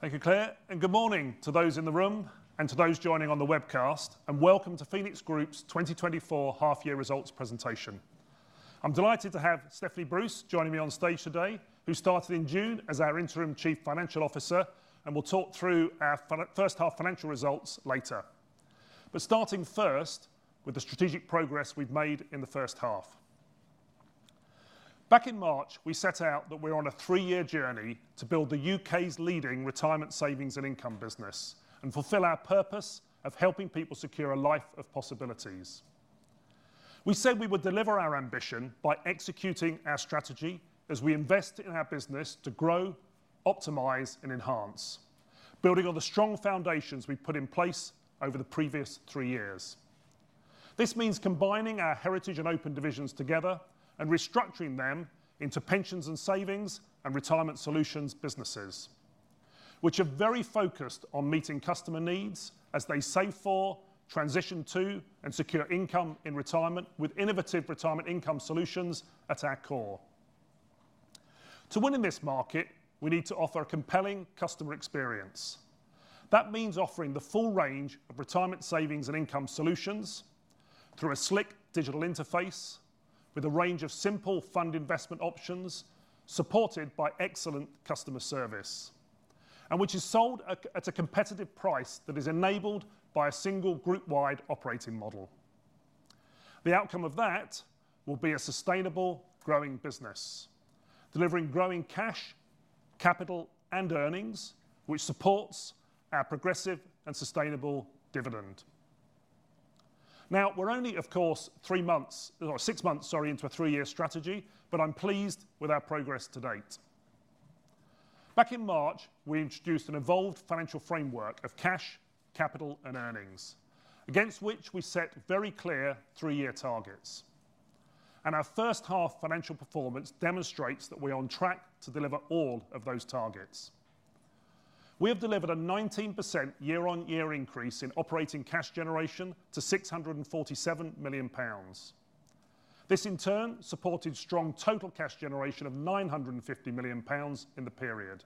Thank you, Claire, and good morning to those in the room and to those joining on the webcast, and welcome to Phoenix Group's 2024 half year results presentation. I'm delighted to have Stephanie Bruce joining me on stage today, who started in June as our Interim Chief Financial Officer and will talk through our first half financial results later, but starting first with the strategic progress we've made in the first half. Back in March, we set out that we're on a three-year journey to build the U.K.'s leading retirement savings and income business and fulfill our purpose of helping people secure a life of possibilities. We said we would deliver our ambition by executing our strategy as we invest in our business to grow, optimize, and enhance, building on the strong foundations we've put in place over the previous three years. This means combining our Heritage and Open divisions together and restructuring them into Pensions and Savings and retirement solutions businesses, which are very focused on meeting customer needs as they save for, transition to, and secure income in retirement with innovative retirement income solutions at our core. To win in this market, we need to offer a compelling customer experience. That means offering the full range of retirement savings and income solutions through a slick digital interface with a range of simple fund investment options, supported by excellent customer service, and which is sold at a competitive price that is enabled by a single group-wide operating model. The outcome of that will be a sustainable, growing business, delivering growing cash, capital, and earnings, which supports our progressive and sustainable dividend. Now, we're only, of course, three months. Six months, sorry, into a three-year strategy, but I'm pleased with our progress to date. Back in March, we introduced an evolved financial framework of cash, capital, and earnings, against which we set very clear three-year targets. And our first half financial performance demonstrates that we're on track to deliver all of those targets. We have delivered a 19% year-on-year increase in operating cash generation to 647 million pounds. This, in turn, supported strong total cash generation of 950 million pounds in the period.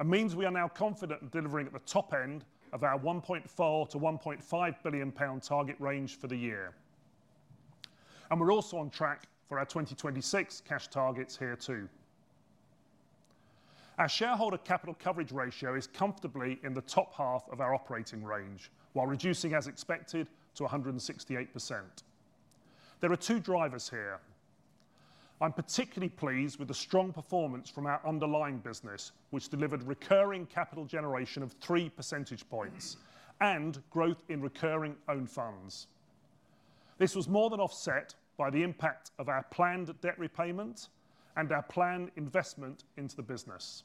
It means we are now confident in delivering at the top end of our 1.4 billion-1.5 billion pound target range for the year. And we're also on track for our 2026 cash targets here, too. Our shareholder capital coverage ratio is comfortably in the top half of our operating range, while reducing as expected to 168%. There are two drivers here. I'm particularly pleased with the strong performance from our underlying business, which delivered recurring capital generation of three percentage points and growth in recurring own funds. This was more than offset by the impact of our planned debt repayment and our planned investment into the business.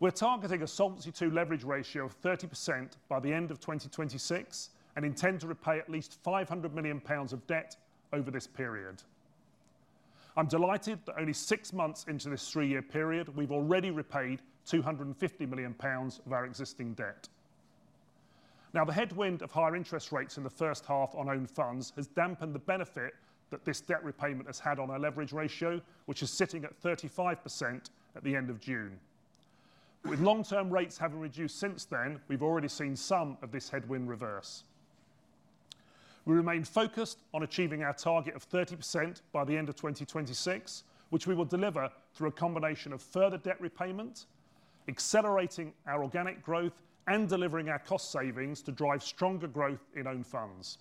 We're targeting a Solvency II leverage ratio of 30% by the end of 2026 and intend to repay at least 500 million pounds of debt over this period. I'm delighted that only 6 months into this three-year period, we've already repaid 250 million pounds of our existing debt. Now, the headwind of higher interest rates in the first half on own funds has dampened the benefit that this debt repayment has had on our leverage ratio, which is sitting at 35% at the end of June. With long-term rates having reduced since then, we've already seen some of this headwind reverse. We remain focused on achieving our target of 30% by the end of 2026, which we will deliver through a combination of further debt repayment, accelerating our organic growth, and delivering our cost savings to drive stronger growth in own funds.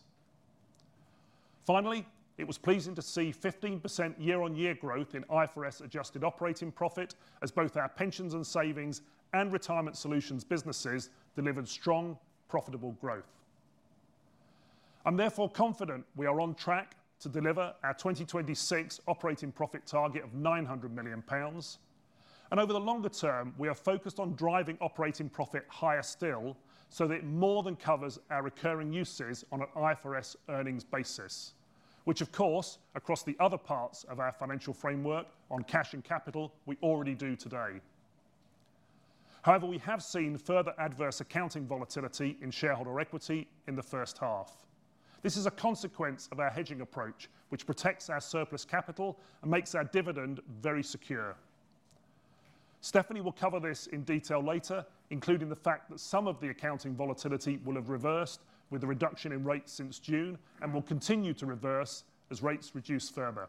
Finally, it was pleasing to see 15% year-on-year growth in IFRS-adjusted operating profit, as both our Pensions and Savings and retirement solutions businesses delivered strong, profitable growth. I'm therefore confident we are on track to deliver our 2026 operating profit target of 900 million pounds. And over the longer term, we are focused on driving operating profit higher still, so that it more than covers our recurring uses on an IFRS earnings basis, which of course, across the other parts of our financial framework on cash and capital, we already do today. However, we have seen further adverse accounting volatility in shareholder equity in the first half. This is a consequence of our hedging approach, which protects our surplus capital and makes our dividend very secure. Stephanie will cover this in detail later, including the fact that some of the accounting volatility will have reversed with the reduction in rates since June and will continue to reverse as rates reduce further.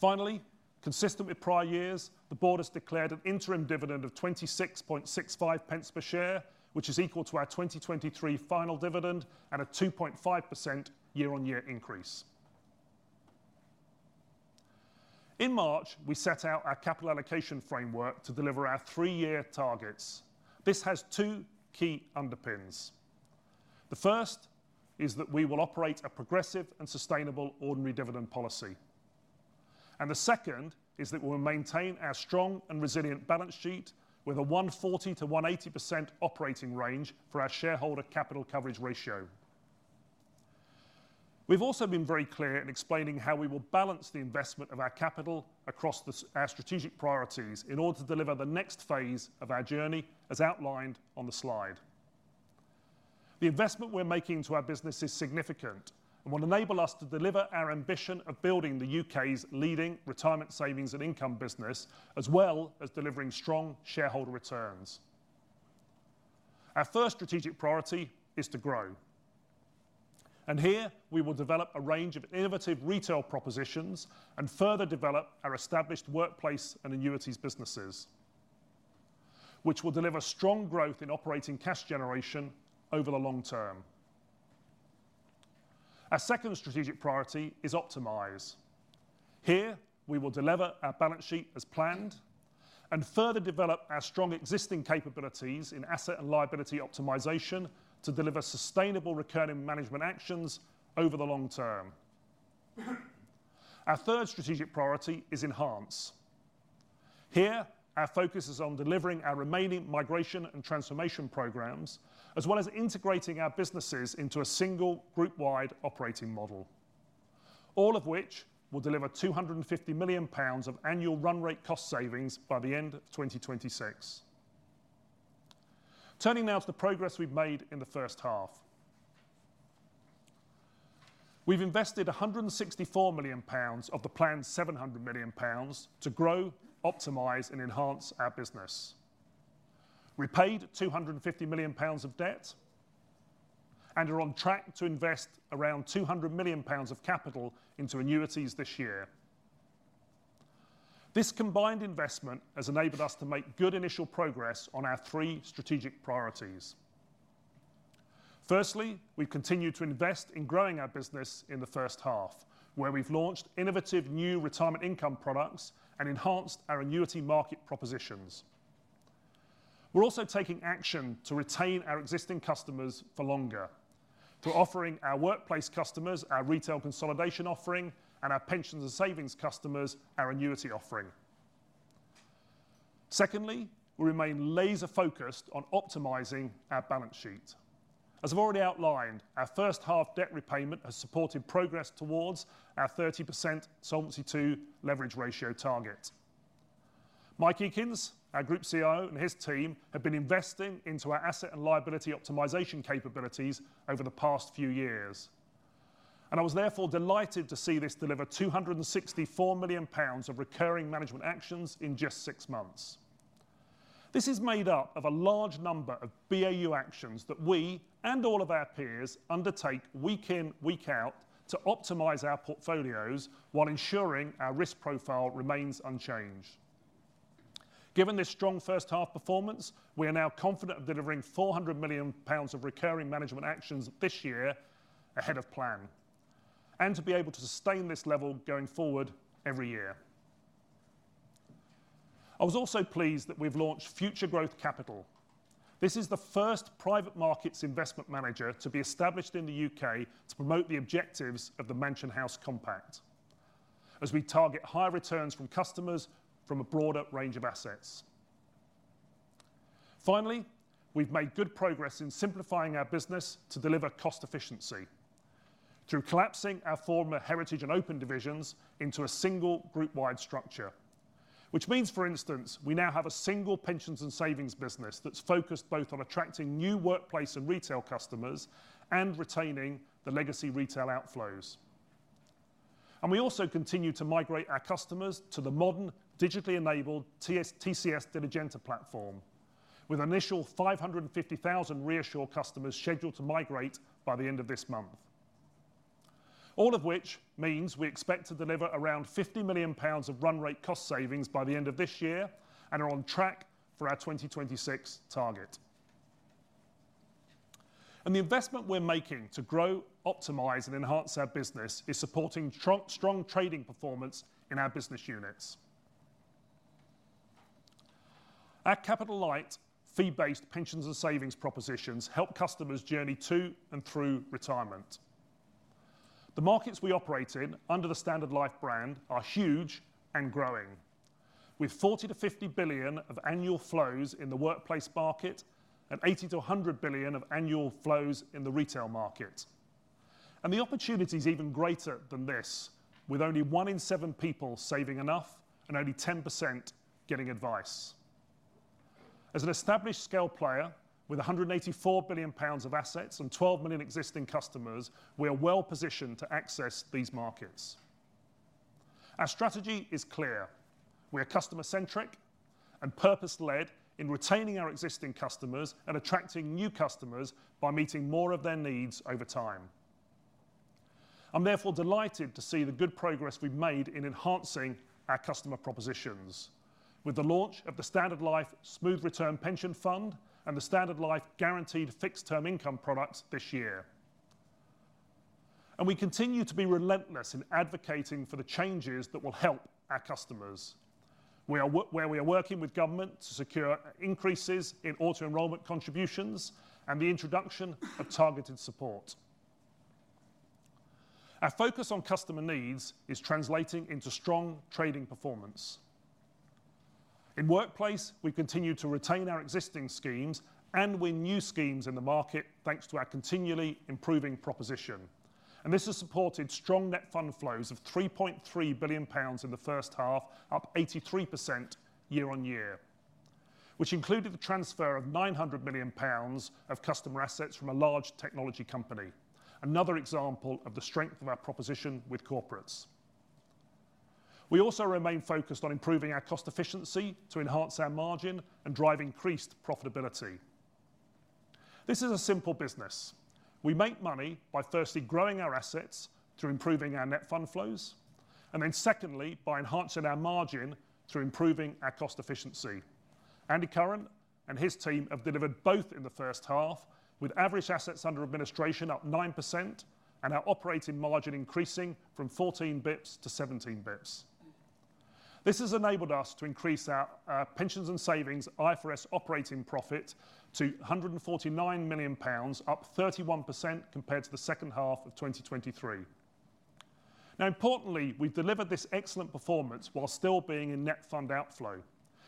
Finally, consistent with prior years, the board has declared an interim dividend of 0.2665 per share, which is equal to our 2023 final dividend and a 2.5% year-on-year increase. In March, we set out our capital allocation framework to deliver our three-year targets. This has two key underpins. The first is that we will operate a progressive and sustainable ordinary dividend policy, and the second is that we'll maintain our strong and resilient balance sheet with a 140%-180% operating range for our shareholder capital coverage ratio. We've also been very clear in explaining how we will balance the investment of our capital across our strategic priorities in order to deliver the next phase of our journey, as outlined on the slide. The investment we're making to our business is significant and will enable us to deliver our ambition of building the UK's leading retirement savings and income business, as well as delivering strong shareholder returns. Our first strategic priority is to grow, and here we will develop a range of innovative retail propositions and further develop our established workplace and annuities businesses, which will deliver strong growth in operating cash generation over the long term. Our second strategic priority is optimize. Here, we will deliver our balance sheet as planned and further develop our strong existing capabilities in asset and liability optimization to deliver sustainable recurring management actions over the long term. Our third strategic priority is enhance. Here, our focus is on delivering our remaining migration and transformation programs, as well as integrating our businesses into a single group-wide operating model. All of which will deliver 250 million pounds of annual run rate cost savings by the end of 2026. Turning now to the progress we've made in the first half. We've invested 164 million pounds of the planned 700 million pounds to grow, optimize, and enhance our business. We paid 250 million pounds of debt and are on track to invest around 200 million pounds of capital into annuities this year. This combined investment has enabled us to make good initial progress on our three strategic priorities. Firstly, we continued to invest in growing our business in the first half, where we've launched innovative new retirement income products and enhanced our annuity market propositions. We're also taking action to retain our existing customers for longer. We're offering our workplace customers our retail consolidation offering, and our Pensions and Savings customers our annuity offering. Secondly, we remain laser focused on optimizing our balance sheet. As I've already outlined, our first half debt repayment has supported progress towards our 30% Solvency II leverage ratio target. Mike Eakins, our Group CIO, and his team have been investing into our asset and liability optimization capabilities over the past few years, and I was therefore delighted to see this deliver 264 million pounds of recurring management actions in just six months. This is made up of a large number of BAU actions that we, and all of our peers, undertake week in, week out, to optimize our portfolios while ensuring our risk profile remains unchanged. Given this strong first half performance, we are now confident of delivering 400 million pounds of recurring management actions this year ahead of plan, and to be able to sustain this level going forward every year. I was also pleased that we've launched Future Growth Capital. This is the first private markets investment manager to be established in the UK to promote the objectives of the Mansion House Compact, as we target higher returns from customers from a broader range of assets. Finally, we've made good progress in simplifying our business to deliver cost efficiency through collapsing our former Heritage and Open divisions into a single group-wide structure. Which means, for instance, we now have a single Pensions and Savings business that's focused both on attracting new workplace and retail customers and retaining the legacy retail outflows. And we also continue to migrate our customers to the modern, digitally enabled TCS Diligenta platform, with an initial 550,000 ReAssure customers scheduled to migrate by the end of this month. All of which means we expect to deliver around 50 million pounds of run rate cost savings by the end of this year and are on track for our 2026 target. And the investment we're making to grow, optimize, and enhance our business is supporting strong, strong trading performance in our business units. Our capital-light, fee-based Pensions and Savings propositions help customers journey to and through retirement. The markets we operate in under the Standard Life brand are huge and growing, with 40 billion-50 billion of annual flows in the workplace market and 80 billion-100 billion of annual flows in the retail market. The opportunity is even greater than this, with only one in seven people saving enough and only 10% getting advice. As an established scale player with 184 billion pounds of assets and 12 million existing customers, we are well positioned to access these markets. Our strategy is clear. We are customer-centric and purpose-led in retaining our existing customers and attracting new customers by meeting more of their needs over time. I'm therefore delighted to see the good progress we've made in enhancing our customer propositions with the launch of the Standard Life Smooth Return Pension Fund and the Standard Life Guaranteed Fixed Term Income products this year. We continue to be relentless in advocating for the changes that will help our customers. We are working with government to secure increases in auto-enrolment contributions and the introduction of targeted support. Our focus on customer needs is translating into strong trading performance. In workplace, we continue to retain our existing schemes and win new schemes in the market, thanks to our continually improving proposition, and this has supported strong net fund flows of 3.3 billion pounds in the first half, up 83% year-on-year, which included the transfer of 900 million pounds of customer assets from a large technology company. Another example of the strength of our proposition with corporates. We also remain focused on improving our cost efficiency to enhance our margin and drive increased profitability. This is a simple business. We make money by firstly growing our assets through improving our net fund flows, and then secondly, by enhancing our margin through improving our cost efficiency. Andy Curran and his team have delivered both in the first half, with average assets under administration up 9% and our operating margin increasing from 14 basis points to 17 basis points. This has enabled us to increase our Pensions and Savings IFRS operating profit to 149 million pounds, up 31% compared to the second half of 2023. Now, importantly, we've delivered this excellent performance while still being in net fund outflow.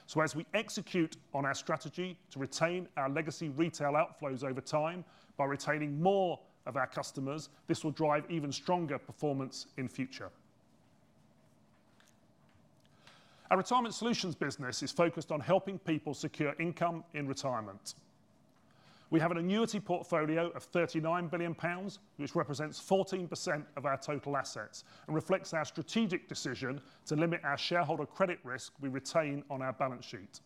So as we execute on our strategy to retain our legacy retail outflows over time by retaining more of our customers, this will drive even stronger performance in future. Our retirement solutions business is focused on helping people secure income in retirement. We have an annuity portfolio of 39 billion pounds, which represents 14% of our total assets and reflects our strategic decision to limit our shareholder credit risk we retain on our balance sheet.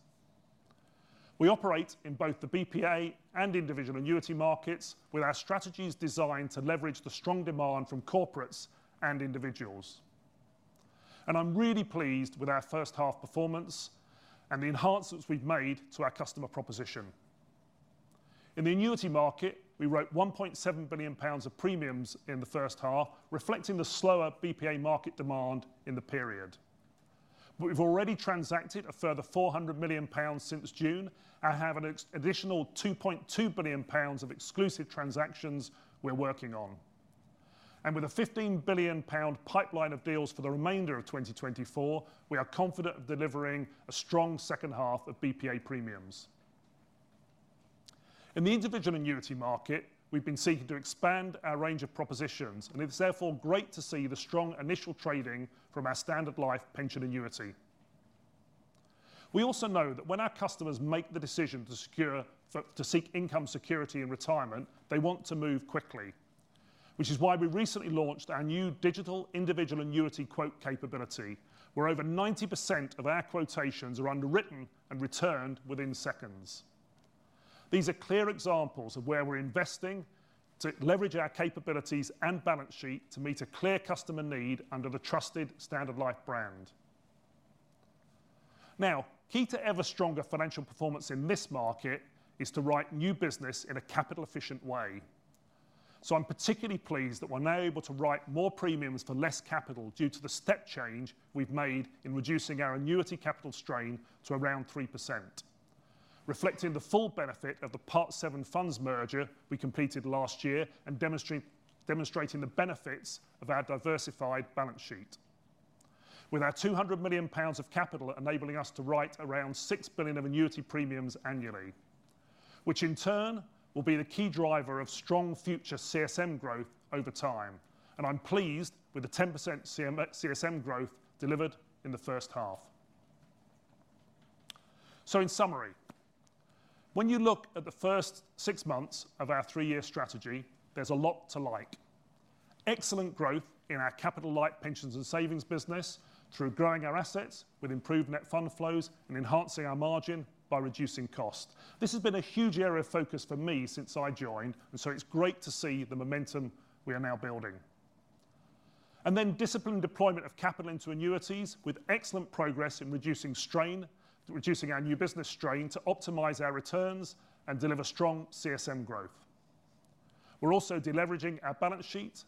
We operate in both the BPA and individual annuity markets, with our strategies designed to leverage the strong demand from corporates and individuals. And I'm really pleased with our first half performance and the enhancements we've made to our customer proposition. In the annuity market, we wrote 1.7 billion pounds of premiums in the first half, reflecting the slower BPA market demand in the period. But we've already transacted a further 400 million pounds since June and have an additional 2.2 billion pounds of exclusive transactions we're working on. With a 15 billion pound pipeline of deals for the remainder of 2024, we are confident of delivering a strong second half of BPA premiums. In the individual annuity market, we've been seeking to expand our range of propositions, and it is therefore great to see the strong initial trading from our Standard Life Pension Annuity. We also know that when our customers make the decision to secure to seek income security in retirement, they want to move quickly, which is why we recently launched our new digital individual annuity quote capability, where over 90% of our quotations are underwritten and returned within seconds. These are clear examples of where we're investing to leverage our capabilities and balance sheet to meet a clear customer need under the trusted Standard Life brand. Now, key to ever stronger financial performance in this market is to write new business in a capital-efficient way. So I'm particularly pleased that we're now able to write more premiums for less capital due to the step change we've made in reducing our annuity capital strain to around 3%, reflecting the full benefit of the Part VII funds merger we completed last year and demonstrating the benefits of our diversified balance sheet. With our 200 million pounds of capital enabling us to write around 6 billion of annuity premiums annually, which in turn will be the key driver of strong future CSM growth over time. And I'm pleased with the 10% CSM growth delivered in the first half. So in summary, when you look at the first six months of our three-year strategy, there's a lot to like. Excellent growth in our capital-light Pensions and Savings business through growing our assets with improved net fund flows and enhancing our margin by reducing cost. This has been a huge area of focus for me since I joined, and so it's great to see the momentum we are now building, and then disciplined deployment of capital into annuities, with excellent progress in reducing strain, reducing our new business strain to optimize our returns and deliver strong CSM growth. We're also de-leveraging our balance sheet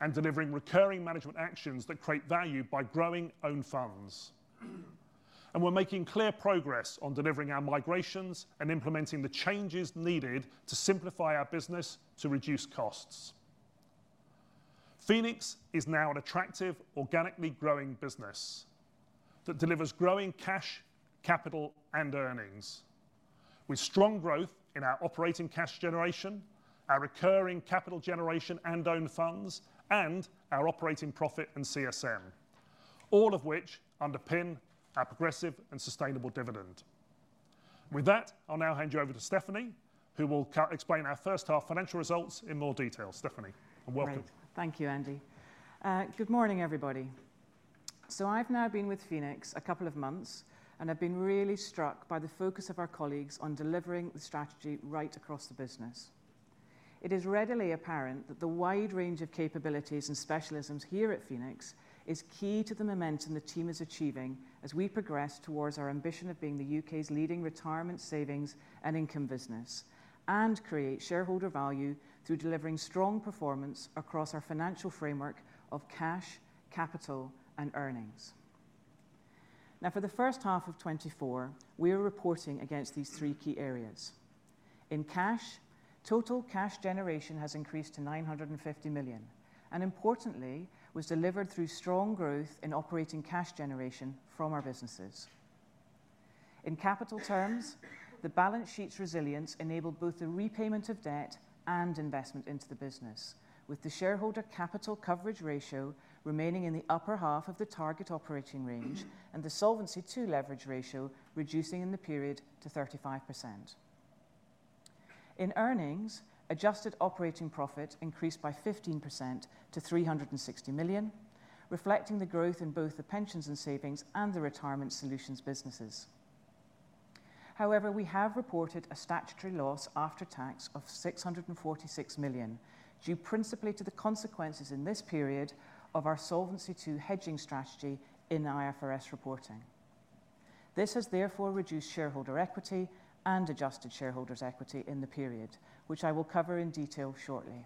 and delivering recurring management actions that create value by growing own funds, and we're making clear progress on delivering our migrations and implementing the changes needed to simplify our business to reduce costs. Phoenix is now an attractive, organically growing business that delivers growing cash, capital, and earnings, with strong growth in our operating cash generation, our recurring capital generation, and own funds, and our operating profit and CSM, all of which underpin our progressive and sustainable dividend. With that, I'll now hand you over to Stephanie, who will explain our first half financial results in more detail. Stephanie, welcome. Great. Thank you, Andy. Good morning, everybody. So I've now been with Phoenix a couple of months, and I've been really struck by the focus of our colleagues on delivering the strategy right across the business. It is readily apparent that the wide range of capabilities and specialisms here at Phoenix is key to the momentum the team is achieving as we progress towards our ambition of being the U.K.'s leading retirement savings and income business, and create shareholder value through delivering strong performance across our financial framework of cash, capital, and earnings. Now, for the first half of 2024, we are reporting against these three key areas. In cash, total cash generation has increased to 950 million, and importantly, was delivered through strong growth in operating cash generation from our businesses. In capital terms, the balance sheet's resilience enabled both the repayment of debt and investment into the business, with the shareholder capital coverage ratio remaining in the upper half of the target operating range and the Solvency II leverage ratio reducing in the period to 35%. In earnings, adjusted operating profit increased by 15% to 360 million, reflecting the growth in both the Pensions and Savings and the retirement solutions businesses. However, we have reported a statutory loss after tax of 646 million, due principally to the consequences in this period of our Solvency II hedging strategy in IFRS reporting. This has therefore reduced shareholder equity and adjusted shareholders' equity in the period, which I will cover in detail shortly.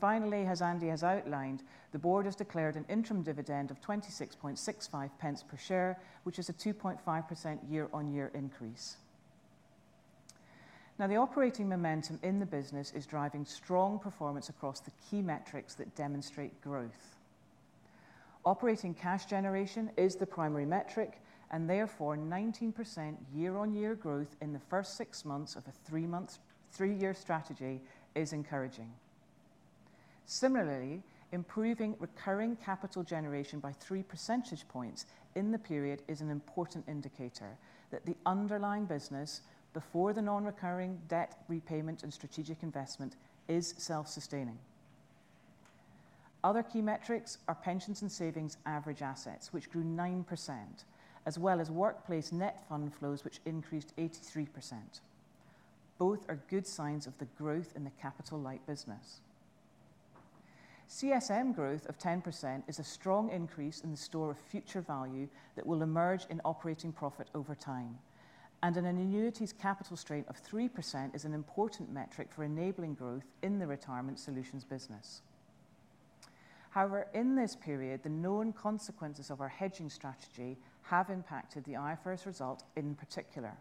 Finally, as Andy has outlined, the Board has declared an interim dividend of 26.65 pence per share, which is a 2.5% year-on-year increase. Now, the operating momentum in the business is driving strong performance across the key metrics that demonstrate growth. Operating cash generation is the primary metric, and therefore 19% year-on-year growth in the first six months of a three-year strategy is encouraging. Similarly, improving recurring capital generation by three percentage points in the period is an important indicator that the underlying business, before the non-recurring debt repayment and strategic investment, is self-sustaining. Other key metrics are Pensions and Savings average assets, which grew 9%, as well as workplace net fund flows, which increased 83%. Both are good signs of the growth in the capital-light business. CSM growth of 10% is a strong increase in the store of future value that will emerge in operating profit over time, and an annuities capital strain of 3% is an important metric for enabling growth in the retirement solutions business. However, in this period, the known consequences of our hedging strategy have impacted the IFRS result in particular.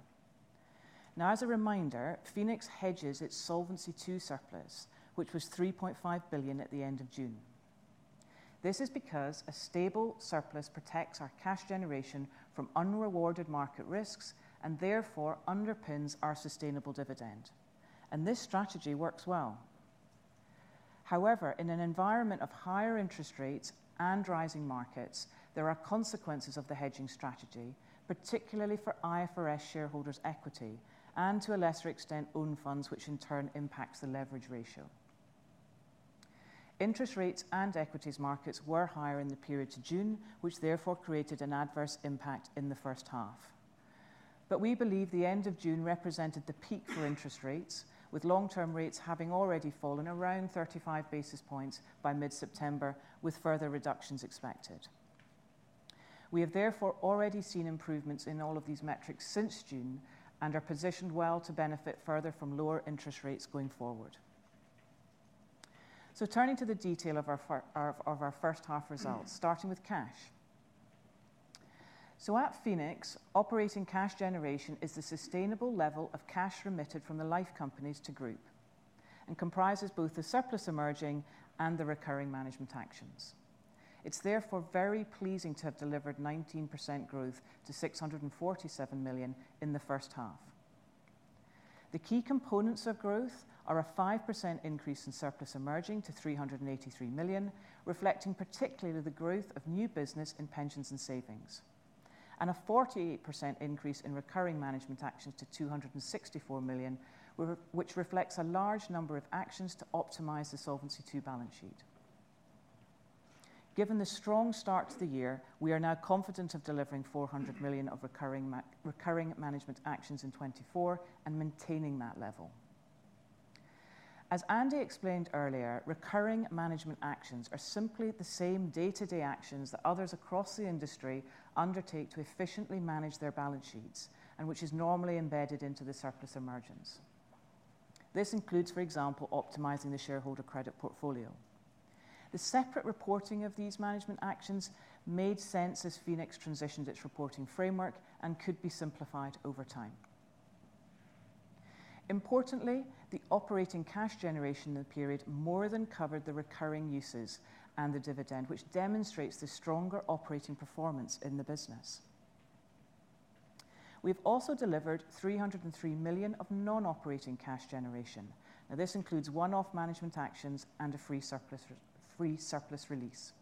Now, as a reminder, Phoenix hedges its Solvency II surplus, which was 3.5 billion at the end of June. This is because a stable surplus protects our cash generation from unrewarded market risks and therefore underpins our sustainable dividend, and this strategy works well. However, in an environment of higher interest rates and rising markets, there are consequences of the hedging strategy, particularly for IFRS shareholders' equity and, to a lesser extent, own funds, which in turn impacts the leverage ratio. Interest rates and equities markets were higher in the period to June, which therefore created an adverse impact in the first half. But we believe the end of June represented the peak for interest rates, with long-term rates having already fallen around 35 basis points by mid-September, with further reductions expected. We have therefore already seen improvements in all of these metrics since June and are positioned well to benefit further from lower interest rates going forward. So turning to the detail of our first half results, starting with cash. So at Phoenix, operating cash generation is the sustainable level of cash remitted from the life companies to group and comprises both the surplus emerging and the recurring management actions. It's therefore very pleasing to have delivered 19% growth to 647 million in the first half. The key components of growth are a 5% increase in surplus emerging to 383 million, reflecting particularly the growth of new business in Pensions and Savings, and a 48% increase in recurring management actions to 264 million, which reflects a large number of actions to optimize the Solvency II balance sheet. Given the strong start to the year, we are now confident of delivering 400 million of recurring management actions in 2024 and maintaining that level. As Andy explained earlier, recurring management actions are simply the same day-to-day actions that others across the industry undertake to efficiently manage their balance sheets and which is normally embedded into the surplus emergence. This includes, for example, optimizing the shareholder credit portfolio. The separate reporting of these management actions made sense as Phoenix transitioned its reporting framework and could be simplified over time. Importantly, the operating cash generation in the period more than covered the recurring uses and the dividend, which demonstrates the stronger operating performance in the business. We've also delivered 303 million of non-operating cash generation. Now, this includes one-off management actions and a free surplus release.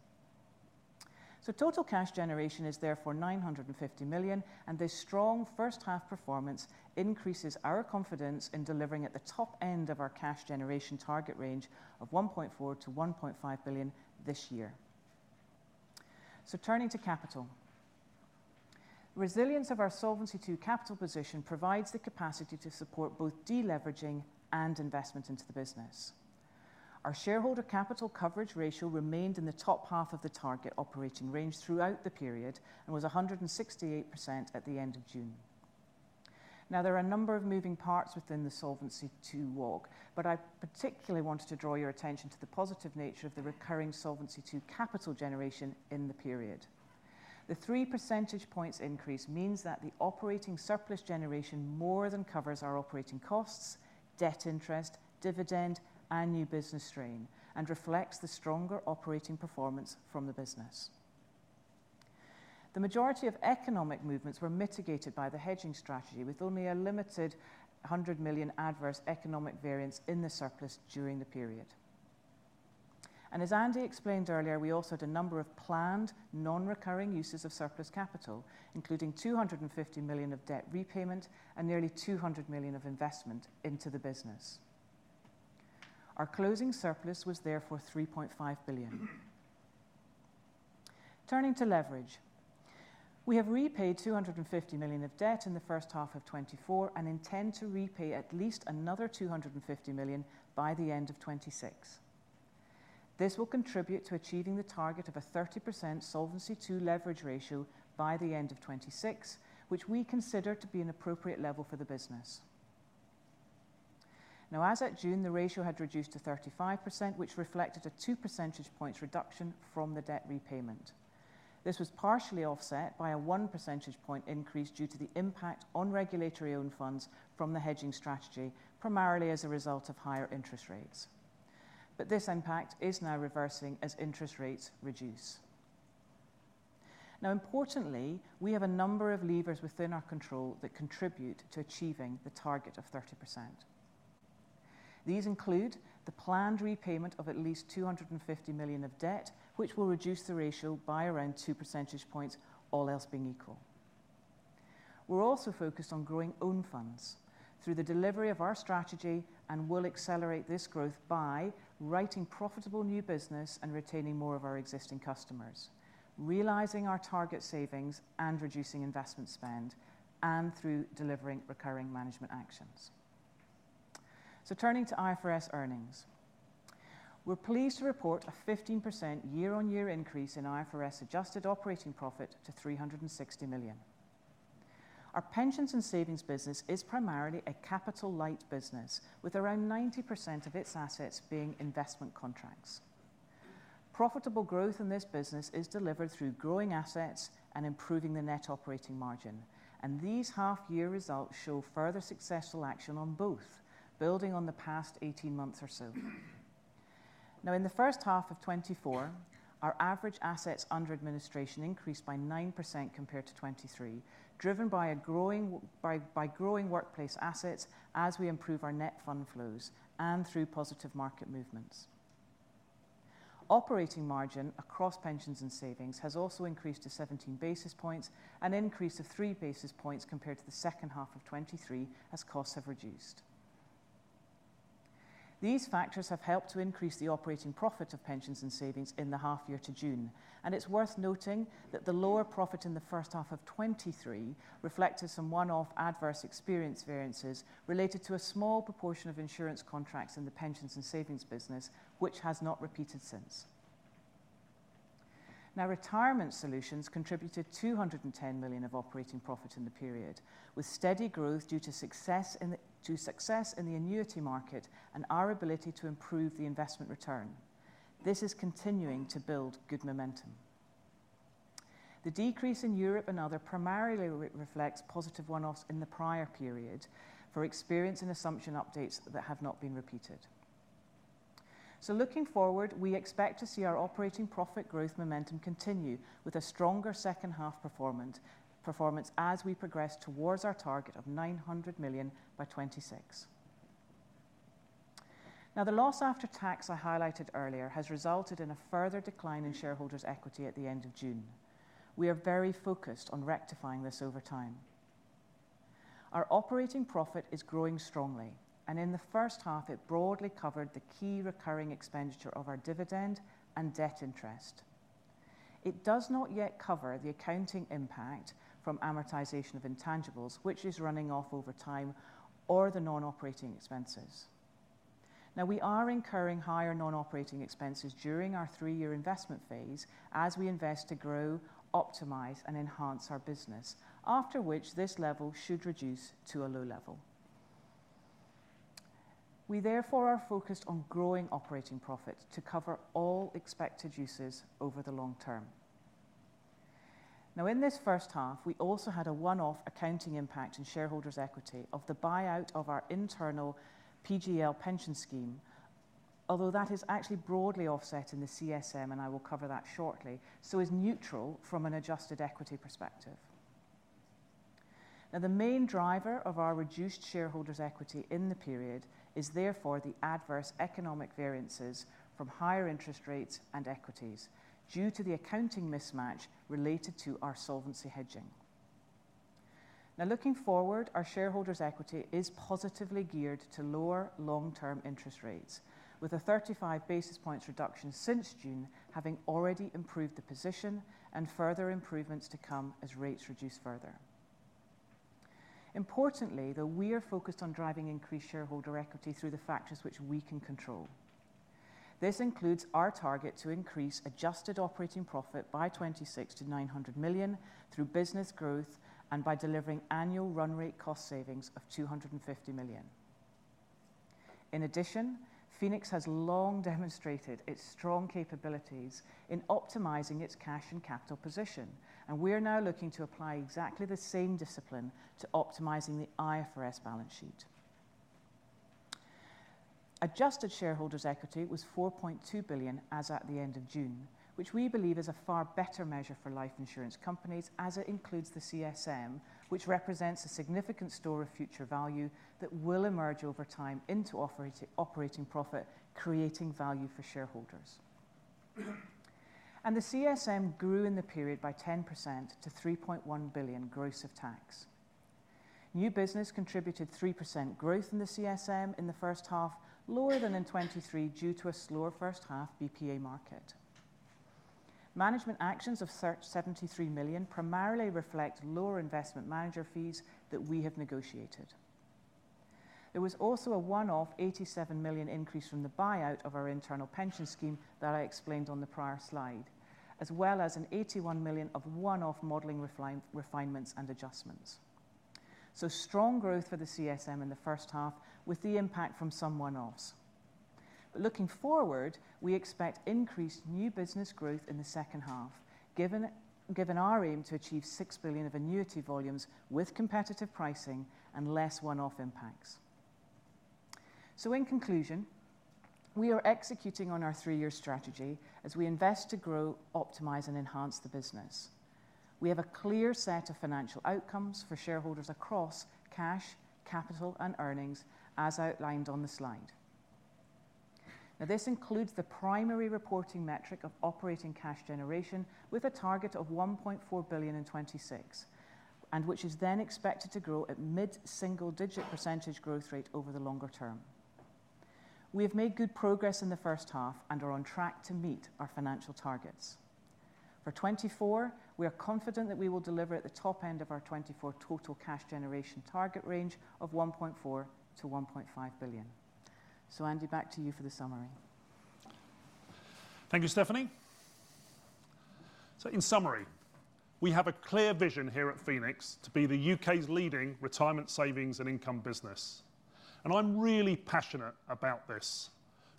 Total cash generation is therefore 950 million, and this strong first half performance increases our confidence in delivering at the top end of our cash generation target range of 1.4 billion-1.5 billion this year. Turning to capital. Resilience of our Solvency II capital position provides the capacity to support both deleveraging and investment into the business. Our shareholder capital coverage ratio remained in the top half of the target operating range throughout the period and was 168% at the end of June. Now, there are a number of moving parts within the Solvency II walk, but I particularly wanted to draw your attention to the positive nature of the recurring Solvency II capital generation in the period. The three percentage points increase means that the operating surplus generation more than covers our operating costs, debt interest, dividend, and new business strain, and reflects the stronger operating performance from the business. The majority of economic movements were mitigated by the hedging strategy, with only a limited 100 million adverse economic variance in the surplus during the period. As Andy explained earlier, we also had a number of planned non-recurring uses of surplus capital, including 250 million of debt repayment and nearly 200 million of investment into the business. Our closing surplus was therefore 3.5 billion. Turning to leverage. We have repaid 250 million of debt in the first half of 2024 and intend to repay at least another 250 million by the end of 2026. This will contribute to achieving the target of a 30% Solvency II leverage ratio by the end of 2026, which we consider to be an appropriate level for the business. Now, as at June, the ratio had reduced to 35%, which reflected a two percentage points reduction from the debt repayment. This was partially offset by a one percentage point increase due to the impact on regulatory own funds from the hedging strategy, primarily as a result of higher interest rates. But this impact is now reversing as interest rates reduce. Now, importantly, we have a number of levers within our control that contribute to achieving the target of 30%. These include the planned repayment of at least 250 million of debt, which will reduce the ratio by around two percentage points, all else being equal. We're also focused on growing own funds through the delivery of our strategy and will accelerate this growth by writing profitable new business and retaining more of our existing customers, realizing our target savings and reducing investment spend, and through delivering recurring management actions, so turning to IFRS earnings. We're pleased to report a 15% year-on-year increase in IFRS-adjusted operating profit to 360 million. Our Pensions and Savings business is primarily a capital-light business, with around 90% of its assets being investment contracts. Profitable growth in this business is delivered through growing assets and improving the net operating margin, and these half-year results show further successful action on both, building on the past eighteen months or so. Now, in the first half of 2024, our average assets under administration increased by 9% compared to 2023, driven by growing workplace assets as we improve our net fund flows and through positive market movements. Operating margin across Pensions and Savings has also increased to seventeen basis points, an increase of three basis points compared to the second half of 2023 as costs have reduced. These factors have helped to increase the operating profit of Pensions and Savings in the half year to June, and it's worth noting that the lower profit in the first half of 2023 reflected some one-off adverse experience variances related to a small proportion of insurance contracts in the Pensions and Savings business, which has not repeated since. Now, retirement solutions contributed 210 million of operating profit in the period, with steady growth due to success in the annuity market and our ability to improve the investment return. This is continuing to build good momentum. The decrease in Europe and other primarily reflects positive one-offs in the prior period for experience and assumption updates that have not been repeated. So looking forward, we expect to see our operating profit growth momentum continue with a stronger second half performance as we progress towards our target of 900 million by 2026. Now, the loss after tax I highlighted earlier has resulted in a further decline in shareholders' equity at the end of June. We are very focused on rectifying this over time. Our operating profit is growing strongly, and in the first half it broadly covered the key recurring expenditure of our dividend and debt interest. It does not yet cover the accounting impact from amortization of intangibles, which is running off over time, or the non-operating expenses. Now, we are incurring higher non-operating expenses during our three-year investment phase as we invest to grow, optimize, and enhance our business, after which this level should reduce to a low level. We therefore are focused on growing operating profit to cover all expected uses over the long term. Now, in this first half, we also had a one-off accounting impact in shareholders' equity of the buyout of our internal PGL pension scheme, although that is actually broadly offset in the CSM, and I will cover that shortly, so is neutral from an adjusted equity perspective. Now, the main driver of our reduced shareholders' equity in the period is therefore the adverse economic variances from higher interest rates and equities due to the accounting mismatch related to our solvency hedging. Now, looking forward, our shareholders' equity is positively geared to lower long-term interest rates, with a 35 basis points reduction since June, having already improved the position and further improvements to come as rates reduce further. Importantly, though, we are focused on driving increased shareholder equity through the factors which we can control. This includes our target to increase Adjusted Operating Profit by 260 million-900 million through business growth and by delivering annual run rate cost savings of 250 million. In addition, Phoenix has long demonstrated its strong capabilities in optimizing its cash and capital position, and we are now looking to apply exactly the same discipline to optimizing the IFRS balance sheet. Adjusted shareholders' equity was 4.2 billion as at the end of June, which we believe is a far better measure for life insurance companies, as it includes the CSM, which represents a significant store of future value that will emerge over time into operating profit, creating value for shareholders. The CSM grew in the period by 10% to 3.1 billion, gross of tax. New business contributed 3% growth in the CSM in the first half, lower than in 2023 due to a slower first half BPA market. Management actions of circa 73 million primarily reflect lower investment manager fees that we have negotiated. There was also a one-off 87 million increase from the buyout of our internal pension scheme that I explained on the prior slide, as well as an 81 million of one-off modeling refinements and adjustments. Strong growth for the CSM in the first half, with the impact from some one-offs. Looking forward, we expect increased new business growth in the second half, given our aim to achieve 6 billion of annuity volumes with competitive pricing and less one-off impacts. In conclusion, we are executing on our three-year strategy as we invest to grow, optimize, and enhance the business. We have a clear set of financial outcomes for shareholders across cash, capital, and earnings, as outlined on the slide. Now, this includes the primary reporting metric of operating cash generation with a target of 1.4 billion in 2026, and which is then expected to grow at mid-single-digit % growth rate over the longer term. We have made good progress in the first half and are on track to meet our financial targets. For 2024, we are confident that we will deliver at the top end of our 2024 total cash generation target range of 1.4 billion-1.5 billion. Andy, back to you for the summary. Thank you, Stephanie. So in summary, we have a clear vision here at Phoenix to be the U.K.'s leading retirement savings and income business, and I'm really passionate about this.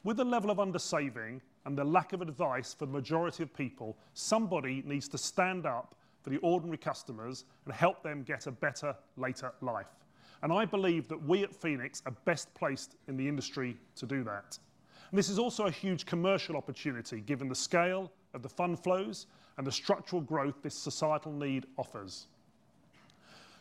With the level of under-saving and the lack of advice for the majority of people, somebody needs to stand up for the ordinary customers and help them get a better later life. And I believe that we at Phoenix are best placed in the industry to do that. And this is also a huge commercial opportunity, given the scale of the fund flows and the structural growth this societal need offers.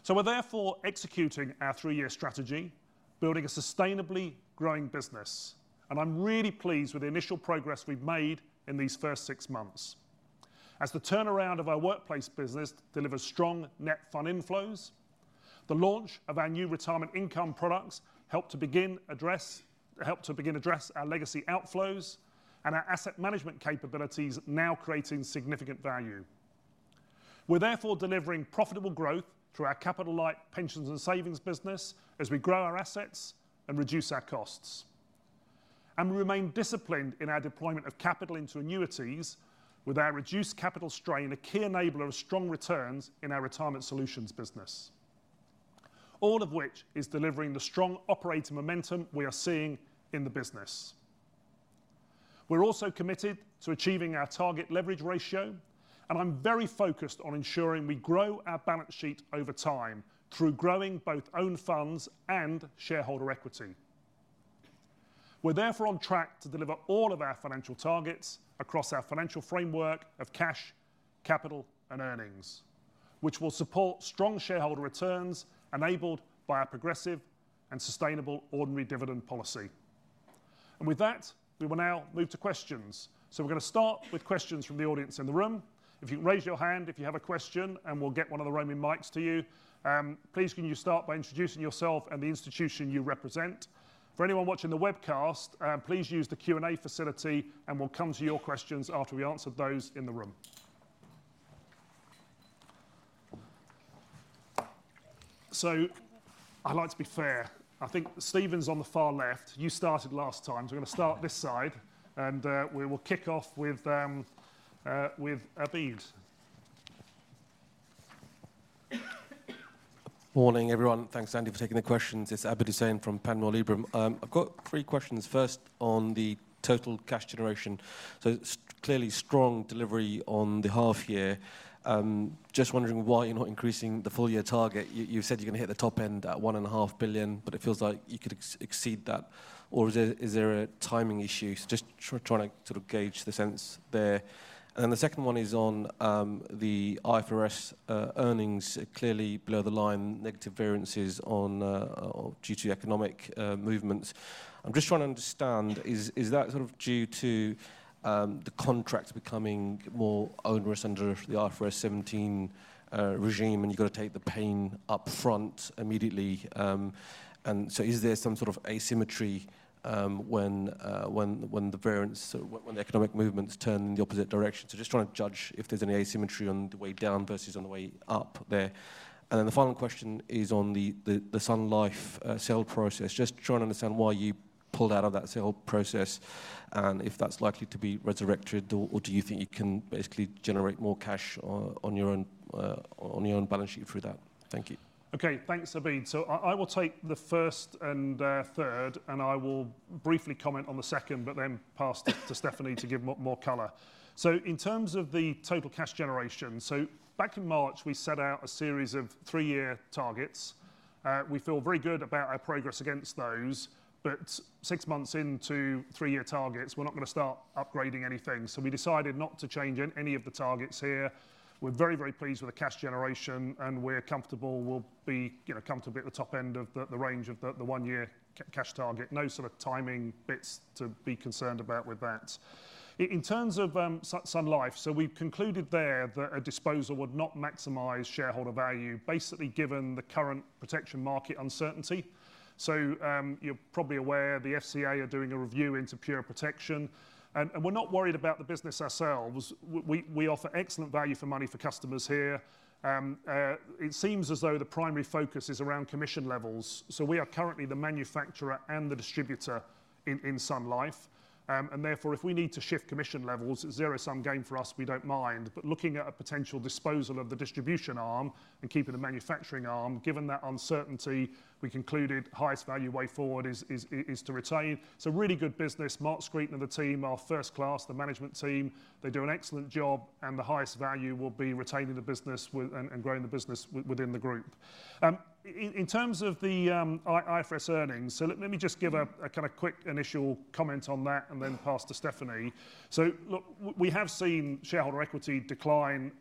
So we're therefore executing our three-year strategy, building a sustainably growing business, and I'm really pleased with the initial progress we've made in these first six months. As the turnaround of our workplace business delivers strong net fund inflows, the launch of our new retirement income products help to begin address our legacy outflows, and our asset management capabilities now creating significant value. We're therefore delivering profitable growth through our capital-light Pensions and Savings business as we grow our assets and reduce our costs, and we remain disciplined in our deployment of capital into annuities, with our reduced capital strain a key enabler of strong returns in our retirement solutions business. All of which is delivering the strong operating momentum we are seeing in the business. We're also committed to achieving our target leverage ratio, and I'm very focused on ensuring we grow our balance sheet over time through growing both own funds and shareholder equity. We're therefore on track to deliver all of our financial targets across our financial framework of cash, capital, and earnings, which will support strong shareholder returns, enabled by our progressive and sustainable ordinary dividend policy. And with that, we will now move to questions. So we're gonna start with questions from the audience in the room. If you can raise your hand if you have a question, and we'll get one of the roaming mics to you. Please, can you start by introducing yourself and the institution you represent? For anyone watching the webcast, please use the Q&A facility, and we'll come to your questions after we answered those in the room. So I like to be fair. I think Steven's on the far left. You started last time, so we're gonna start this side, and we will kick off with Abid. Morning, everyone. Thanks, Andy, for taking the questions. It's Abid Hussain from Panmure Gordon. I've got three questions. First, on the total cash generation. So clearly strong delivery on the half year. Just wondering why you're not increasing the full-year target. You said you're gonna hit the top end at 1.5 billion, but it feels like you could exceed that. Or is there a timing issue? Just trying to sort of gauge the sense there. And then the second one is on the IFRS earnings. Clearly below the line, negative variances on due to the economic movements. I'm just trying to understand, is that sort of due to the contracts becoming more onerous under the IFRS 17 regime, and you've got to take the pain upfront immediately, and so is there some sort of asymmetry when the variance, when the economic movements turn in the opposite direction? So just trying to judge if there's any asymmetry on the way down versus on the way up there. And then the final question is on the SunLife sale process. Just trying to understand why you pulled out of that sale process and if that's likely to be resurrected, or do you think you can basically generate more cash on your own balance sheet through that? Thank you. Okay, thanks, Abid. So I will take the first and third, and I will briefly comment on the second, but then pass it to Stephanie to give more color. So in terms of the total cash generation, so back in March, we set out a series of three-year targets. We feel very good about our progress against those. But six months into three-year targets, we're not gonna start upgrading anything. So we decided not to change any of the targets here. We're very, very pleased with the cash generation, and we're comfortable we'll be, you know, comfortable at the top end of the range of the one-year cash target. No sort of timing bits to be concerned about with that. In terms of SunLife, so we've concluded there that a disposal would not maximize shareholder value, basically given the current protection market uncertainty. So, you're probably aware, the FCA are doing a review into pure protection, and we're not worried about the business ourselves. We offer excellent value for money for customers here. It seems as though the primary focus is around commission levels. So we are currently the manufacturer and the distributor in SunLife. And therefore, if we need to shift commission levels, it's zero-sum game for us, we don't mind. But looking at a potential disposal of the distribution arm and keeping the manufacturing arm, given that uncertainty, we concluded highest value way forward is to retain. It's a really good business. Mark Screaton and the team are first class, the management team. They do an excellent job, and the highest value will be retaining the business with and growing the business within the group. In terms of the IFRS earnings, so let me just give a kind of quick initial comment on that and then pass to Stephanie. So look, we have seen shareholder equity decline,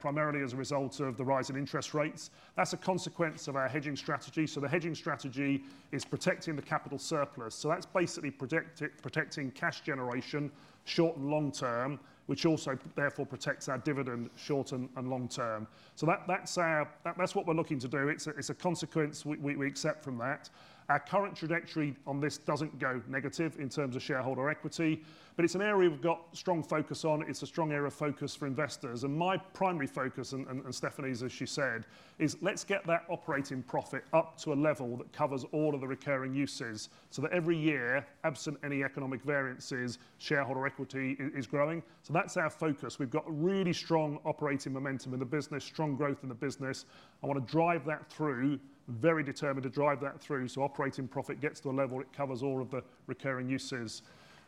primarily as a result of the rise in interest rates. That's a consequence of our hedging strategy. So the hedging strategy is protecting the capital surplus, so that's basically protecting cash generation, short and long term, which also therefore protects our dividend short and long term. So that, that's our. That's what we're looking to do. It's a consequence we accept from that. Our current trajectory on this doesn't go negative in terms of shareholder equity, but it's an area we've got strong focus on. It's a strong area of focus for investors and my primary focus, and Stephanie's, as she said, is let's get that operating profit up to a level that covers all of the recurring uses, so that every year, absent any economic variances, shareholder equity is growing so that's our focus. We've got really strong operating momentum in the business, strong growth in the business. I wanna drive that through, very determined to drive that through, so operating profit gets to a level that covers all of the recurring uses.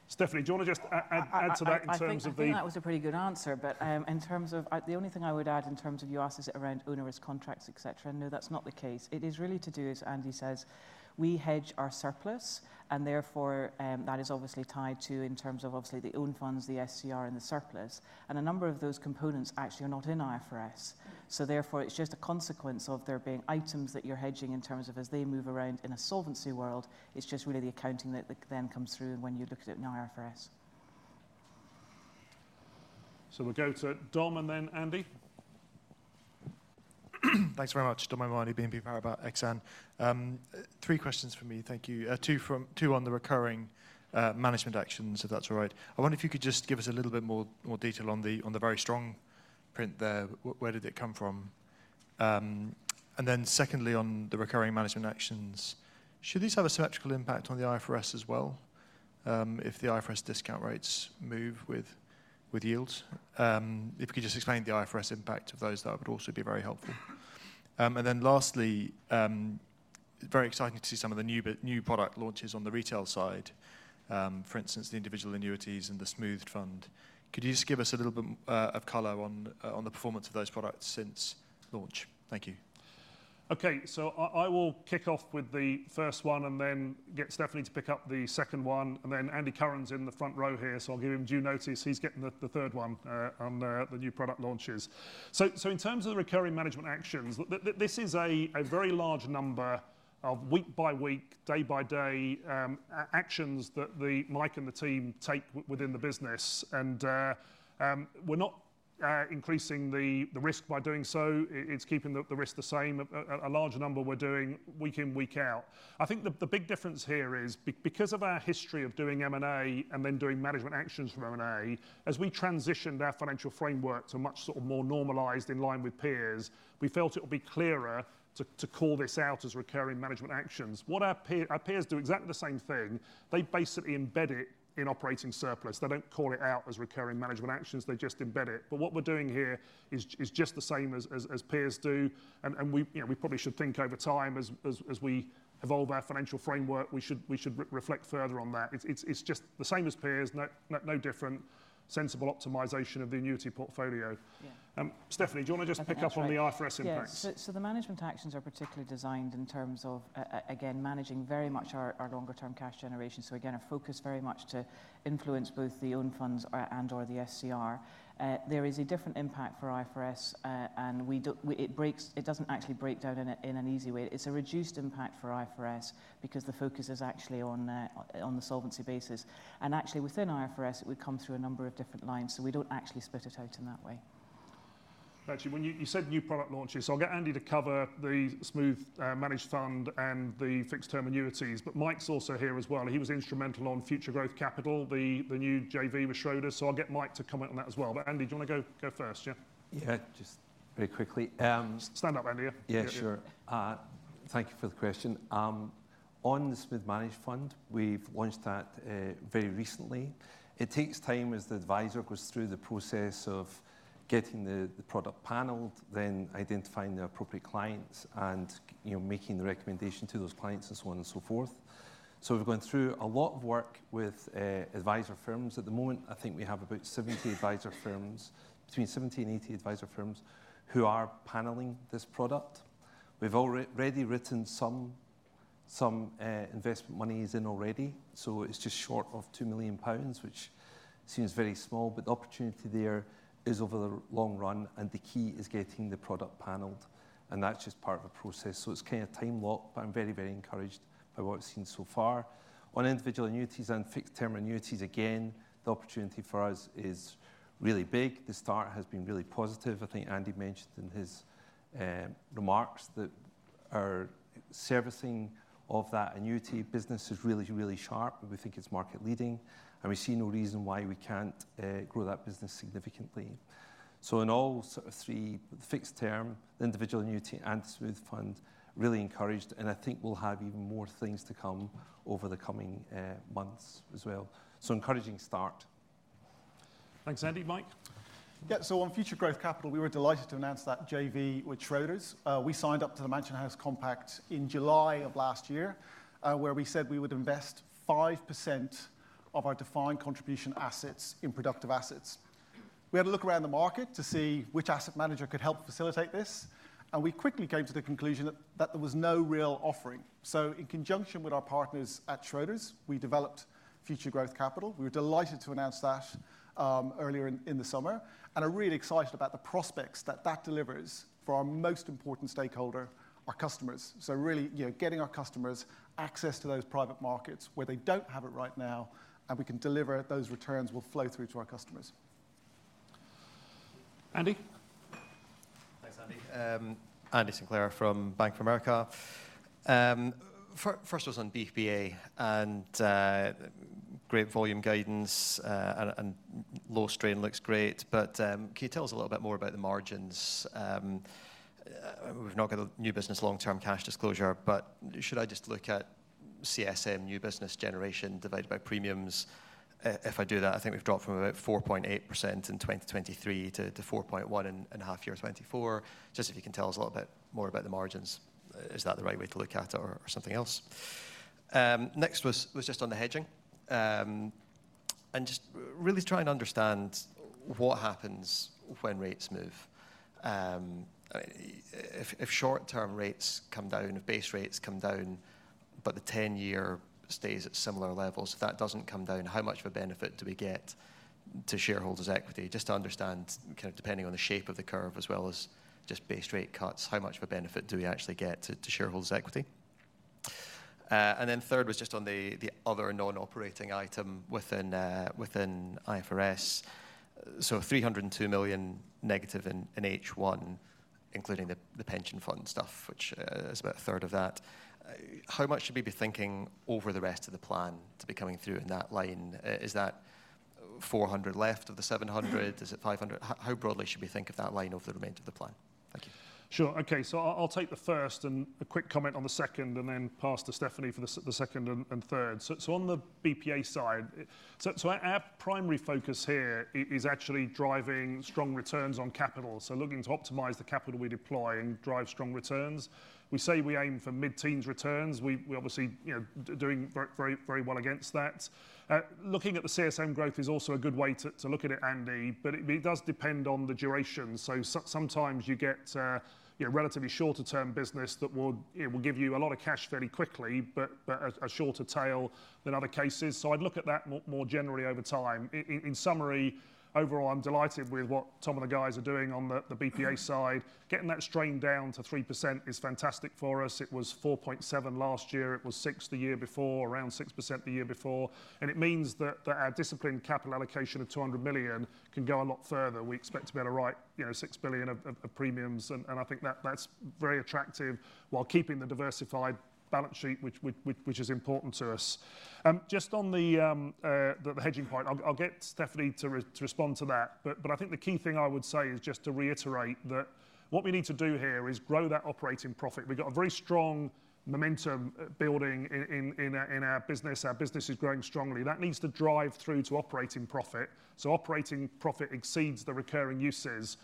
Stephanie, do you wanna just add to that in terms of the. I think that was a pretty good answer, but in terms of the only thing I would add in terms of you asked is around onerous contracts, et cetera, and no, that's not the case. It is really to do, as Andy says, we hedge our surplus, and therefore that is obviously tied to in terms of obviously the own funds, the SCR and the surplus. And a number of those components actually are not in IFRS. So therefore, it's just a consequence of there being items that you're hedging in terms of as they move around in a solvency world. It's just really the accounting that then comes through when you look at it in IFRS. So we'll go to Dom and then Andy. Thanks very much. Dom Amore, BNP Paribas Exane. Three questions for me, thank you. Two on the recurring management actions, if that's all right. I wonder if you could just give us a little bit more detail on the very strong print there. Where did it come from? And then secondly, on the recurring management actions, should this have a symmetrical impact on the IFRS as well, if the IFRS discount rates move with yields? If you could just explain the IFRS impact of those, that would also be very helpful. And then lastly, very exciting to see some of the new product launches on the retail side. For instance, the individual annuities and the smoothed fund. Could you just give us a little bit of color on the performance of those products since launch? Thank you. Okay, so I will kick off with the first one and then get Stephanie to pick up the second one, and then Andy Curran's in the front row here, so I'll give him due notice. He's getting the third one on the new product launches. So in terms of the recurring management actions, this is a very large number of week by week, day by day actions that Mike and the team take within the business. And we're not increasing the risk by doing so. It's keeping the risk the same, a larger number we're doing week in, week out. I think the big difference here is because of our history of doing M&A and then doing management actions from M&A, as we transitioned our financial framework to a much sort of more normalized in line with peers, we felt it would be clearer to call this out as recurring management actions. What our peers do exactly the same thing. They basically embed it in operating surplus. They don't call it out as recurring management actions, they just embed it. But what we're doing here is just the same as peers do, and we, you know, we probably should think over time as we evolve our financial framework, we should reflect further on that. It's just the same as peers, no different. Sensible optimization of the annuity portfolio. Yeah. Stephanie, do you wanna just pick up on the IFRS impacts? Yeah, so the management actions are particularly designed in terms of again managing very much our longer term cash generation. So again, a focus very much to influence both the own funds and/or the SCR. There is a different impact for IFRS and it doesn't actually break down in an easy way. It's a reduced impact for IFRS because the focus is actually on the solvency basis, and actually, within IFRS, it would come through a number of different lines, so we don't actually split it out in that way. Actually, when you, you said new product launches, so I'll get Andy to cover the smooth managed fund and the fixed term annuities. But Mike's also here as well. He was instrumental on Future Growth Capital, the new JV with Schroders. So I'll get Mike to comment on that as well. But Andy, do you wanna go first, yeah? Yeah, just very quickly, Stand up, Andy, yeah. Yeah, sure. Thank you for the question. On the smooth managed fund, we've launched that very recently. It takes time as the advisor goes through the process of getting the product paneled, then identifying the appropriate clients and, you know, making the recommendation to those clients, and so on and so forth. So we've gone through a lot of work with advisor firms. At the moment, I think we have about 70 advisor firms, between 70 and 80 advisor firms who are paneling this product. We've already written some investment monies in already, so it's just short of 2 million pounds, which seems very small, but the opportunity there is over the long run, and the key is getting the product paneled, and that's just part of the process. So it's kind of time lock, but I'm very, very encouraged by what I've seen so far. On individual annuities and fixed term annuities, again, the opportunity for us is really big. The start has been really positive. I think Andy mentioned in his remarks that our servicing of that annuity business is really, really sharp, and we think it's market leading, and we see no reason why we can't grow that business significantly. So in all sort of three, the fixed term, individual annuity and Smooth Fund, really encouraged, and I think we'll have even more things to come over the coming months as well. So encouraging start. Thanks, Andy. Mike? Yeah, so on Future Growth Capital, we were delighted to announce that JV with Schroders. We signed up to the Mansion House Compact in July of last year, where we said we would invest 5% of our defined contribution assets in productive assets. We had a look around the market to see which asset manager could help facilitate this, and we quickly came to the conclusion that there was no real offering. So in conjunction with our partners at Schroders, we developed Future Growth Capital. We were delighted to announce that earlier in the summer and are really excited about the prospects that that delivers for our most important stakeholder, our customers. So really, you know, getting our customers access to those private markets where they don't have it right now, and we can deliver it, those returns will flow through to our customers. Andy? Thanks, Andy. Andy Sinclair from Bank of America. First was on BPA, and great volume guidance, and low strain looks great, but can you tell us a little bit more about the margins? We've not got a new business long-term cash disclosure, but should I just look at CSM new business generation divided by premiums? If I do that, I think we've dropped from about 4.8% in 2023 to 4.1% in half year 2024. Just if you can tell us a little bit more about the margins, is that the right way to look at it or something else? Next was just on the hedging, and just really trying to understand what happens when rates move. If short-term rates come down, if base rates come down, but the ten-year stays at similar levels, if that doesn't come down, how much of a benefit do we get to shareholders' equity? Just to understand, kind of depending on the shape of the curve, as well as just base rate cuts, how much of a benefit do we actually get to shareholders' equity? And then third was just on the other non-operating item within IFRS. So 302 million negative in H1, including the pension fund stuff, which is about a third of that. How much should we be thinking over the rest of the plan to be coming through in that line? Is that 400 left of the 700? Is it 500? How broadly should we think of that line over the remainder of the plan? Thank you. Sure. Okay, so I'll take the first and a quick comment on the second, and then pass to Stephanie for the second and third. So on the BPA side, our primary focus here is actually driving strong returns on capital. So looking to optimize the capital we deploy and drive strong returns. We say we aim for mid-teens returns. We obviously, you know, doing very, very well against that. Looking at the CSM growth is also a good way to look at it, Andy, but it does depend on the duration. So sometimes you get, you know, relatively shorter term business that will give you a lot of cash fairly quickly, but a shorter tail than other cases. So I'd look at that more generally over time. In summary, overall, I'm delighted with what some of the guys are doing on the BPA side. Getting that strain down to 3% is fantastic for us. It was 4.7% last year. It was 6% the year before, around 6% the year before, and it means that our disciplined capital allocation of 200 million can go a lot further. We expect to be able to write, you know, 6 billion of premiums, and I think that's very attractive while keeping the diversified balance sheet, which is important to us. Just on the hedging point, I'll get Stephanie to respond to that, but I think the key thing I would say is just to reiterate that what we need to do here is grow that operating profit. We've got a very strong momentum building in our business. Our business is growing strongly. That needs to drive through to operating profit, so operating profit exceeds the recurring uses.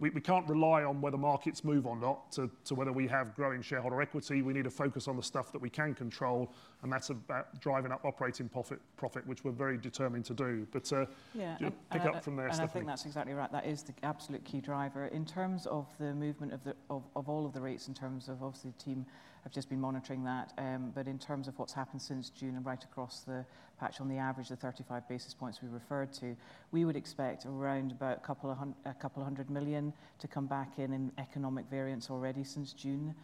We can't rely on where the markets move or not to whether we have growing shareholder equity. We need to focus on the stuff that we can control, and that's about driving up operating profit, which we're very determined to do. But Yeah. Pick up from there, Stephanie. And I think that's exactly right. That is the absolute key driver. In terms of the movement of all of the rates, in terms of obviously the team have just been monitoring that, but in terms of what's happened since June and right across the patch on the average, the 35 basis points we referred to, we would expect around about a couple of hundred million to come back in, in economic variance already since June.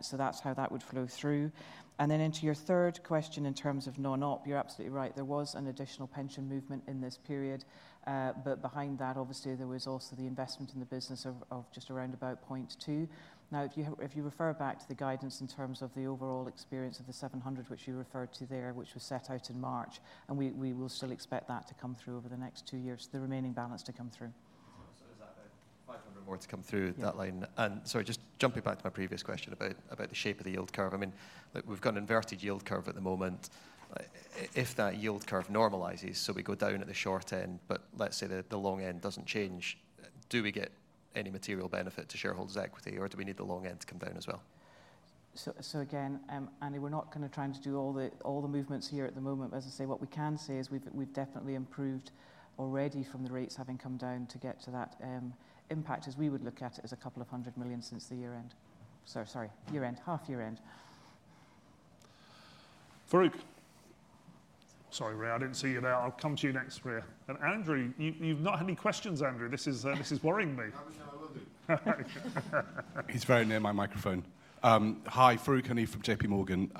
So that's how that would flow through. And then into your third question, in terms of non-op, you're absolutely right. There was an additional pension movement in this period, but behind that, obviously, there was also the investment in the business of just around about point two. Now, if you refer back to the guidance in terms of the overall experience of the seven hundred, which you referred to there, which was set out in March, and we will still expect that to come through over the next two years, the remaining balance to come through. So is that about 500 more to come through that line? Yeah. Sorry, just jumping back to my previous question about the shape of the yield curve. I mean, look, we've got an inverted yield curve at the moment. If that yield curve normalizes, so we go down at the short end, but let's say that the long end doesn't change, do we get any material benefit to shareholders' equity, or do we need the long end to come down as well? So again, Andy, we're not kind of trying to do all the movements here at the moment. But as I say, what we can say is we've definitely improved already from the rates having come down to get to that impact, as we would look at it, as a couple of hundred million since the year end. So sorry, year end, half year end. Farooq. Sorry, Ria, I didn't see you there. I'll come to you next, Ria. And Andrew, you, you've not had any questions, Andrew. This is, this is worrying me. No, I will do. He's very near my microphone. Hi, Farooq Hanif from J.P. Morgan.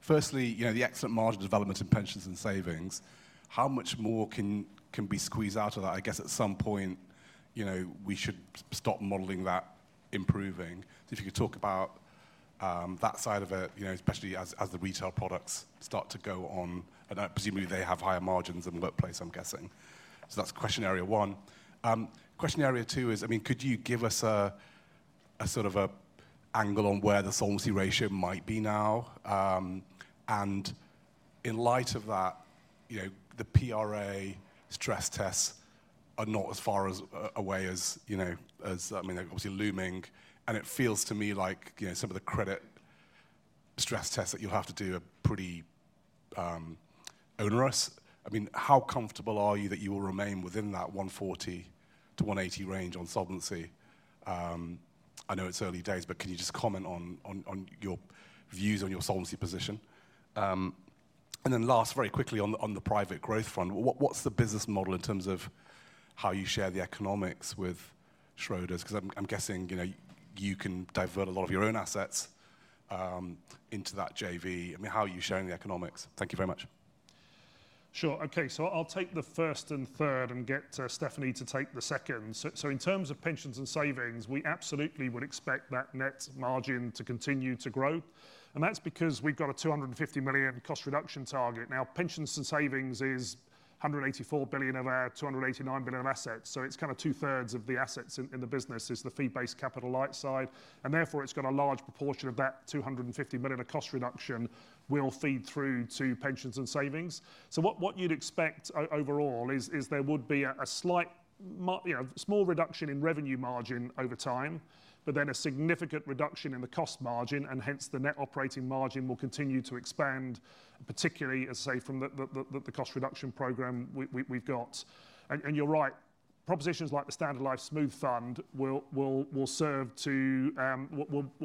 Firstly, you know, the excellent margin development in Pensions and Savings, how much more can be squeezed out of that? I guess at some point, you know, we should stop modeling that improving. So if you could talk about that side of it, you know, especially as the retail products start to go on, and presumably they have higher margins than workplace, I'm guessing. So that's question area one. Question area two is, I mean, could you give us a sort of angle on where the solvency ratio might be now? And in light of that, you know, the PRA stress tests are not as far as a- away as, you know. I mean, they're obviously looming, and it feels to me like, you know, some of the credit stress tests that you'll have to do are pretty, onerous. I mean, how comfortable are you that you will remain within that one forty to one eighty range on solvency? I know it's early days, but can you just comment on your views on your solvency position? And then last, very quickly on the private growth front, what's the business model in terms of how you share the economics with Schroders? 'Cause I'm guessing, you know, you can divert a lot of your own assets into that JV. I mean, how are you sharing the economics? Thank you very much. Sure. Okay, so I'll take the first and third and get Stephanie to take the second. So, so in terms of Pensions and Savings, we absolutely would expect that net margin to continue to grow, and that's because we've got a 250 million cost reduction target. Now, Pensions and Savings is 184 billion of our 289 billion assets. So it's kind of two-thirds of the assets in the business is the fee-based capital light side, and therefore, it's got a large proportion of that 250 million of cost reduction will feed through to Pensions and Savings. So what you'd expect overall is there would be a slight, you know, small reduction in revenue margin over time, but then a significant reduction in the cost margin, and hence, the net operating margin will continue to expand, particularly as, say, from the cost reduction program we've got. And you're right, propositions like the Standard Life Smooth Fund will serve to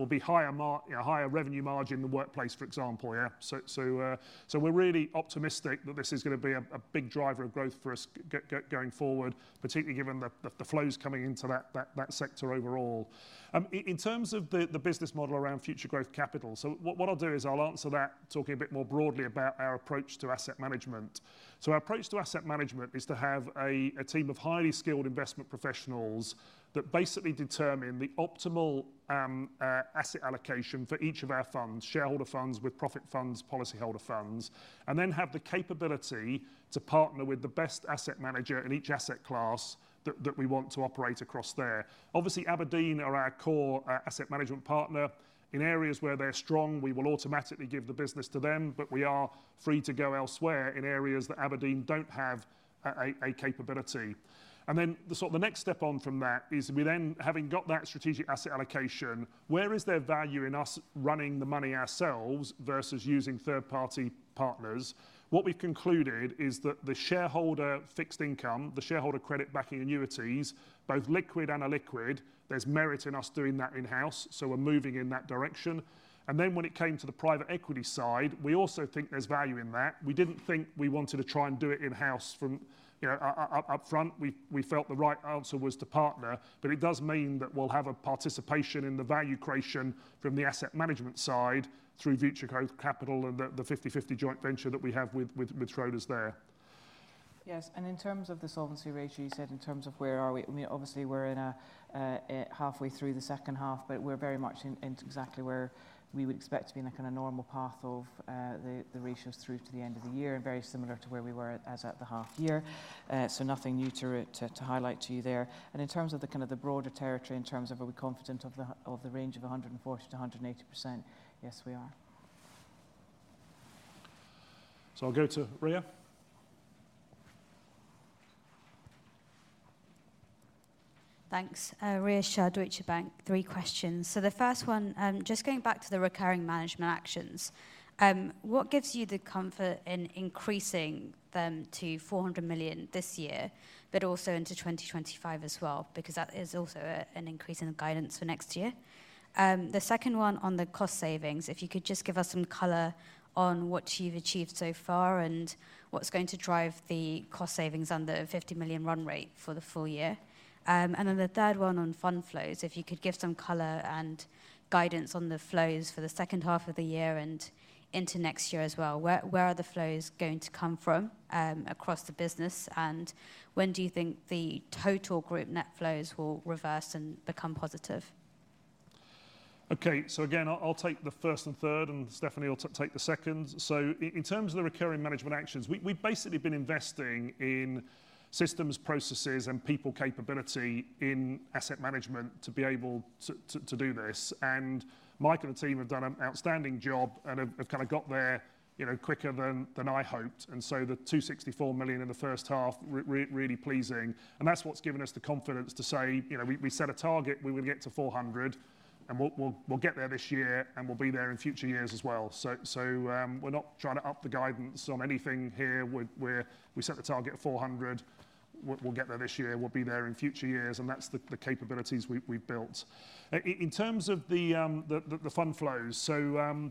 be higher, you know, higher revenue margin in the workplace, for example, yeah. So we're really optimistic that this is gonna be a big driver of growth for us going forward, particularly given the flows coming into that sector overall. In terms of the business model around Future Growth Capital, so what I'll do is I'll answer that talking a bit more broadly about our approach to asset management. So our approach to asset management is to have a team of highly skilled investment professionals that basically determine the optimal asset allocation for each of our funds, shareholder funds, with-profits funds, policyholder funds, and then have the capability to partner with the best asset manager in each asset class that we want to operate across there. Obviously, abrdn are our core asset management partner. In areas where they're strong, we will automatically give the business to them, but we are free to go elsewhere in areas that abrdn don't have a capability. And then the sort of next step on from that is we then, having got that strategic asset allocation, where is there value in us running the money ourselves versus using third-party partners? What we've concluded is that the shareholder fixed income, the shareholder credit backing annuities, both liquid and illiquid, there's merit in us doing that in-house, so we're moving in that direction. And then when it came to the private equity side, we also think there's value in that. We didn't think we wanted to try and do it in-house from, you know, up front. We felt the right answer was to partner, but it does mean that we'll have a participation in the value creation from the asset management side through Future Growth Capital and the 50/50 joint venture that we have with Schroders there. Yes, and in terms of the solvency ratio, you said in terms of where are we? I mean, obviously, we're in a halfway through the second half, but we're very much in exactly where we would expect to be in a kind of normal path of the ratios through to the end of the year, and very similar to where we were as at the half year. So nothing new to highlight to you there. And in terms of the kind of the broader territory, in terms of are we confident of the range of 140%-180%, yes, we are. I'll go to Ria. Thanks. Ria Shah, Deutsche Bank. Three questions. So the first one, just going back to the recurring management actions, what gives you the comfort in increasing them to 400 million this year, but also into 2025 as well? Because that is also an increase in the guidance for next year. The second one on the cost savings, if you could just give us some color on what you've achieved so far and what's going to drive the cost savings on the 50 million run rate for the full year. And then the third one on fund flows, if you could give some color and guidance on the flows for the second half of the year and into next year as well. Where are the flows going to come from, across the business, and when do you think the total group net flows will reverse and become positive? Okay, so again, I'll take the first and third, and Stephanie will take the second. So in terms of the recurring management actions, we've basically been investing in systems, processes, and people capability in asset management to be able to do this. And Mike and the team have done an outstanding job and have kind of got there, you know, quicker than I hoped. And so the 264 million in the first half really pleasing. And that's what's given us the confidence to say, you know, we set a target, we would get to 400, and we'll get there this year, and we'll be there in future years as well. So we're not trying to up the guidance on anything here. We're we set the target at 400 million. We'll get there this year, we'll be there in future years, and that's the capabilities we've built. In terms of the fund flows, so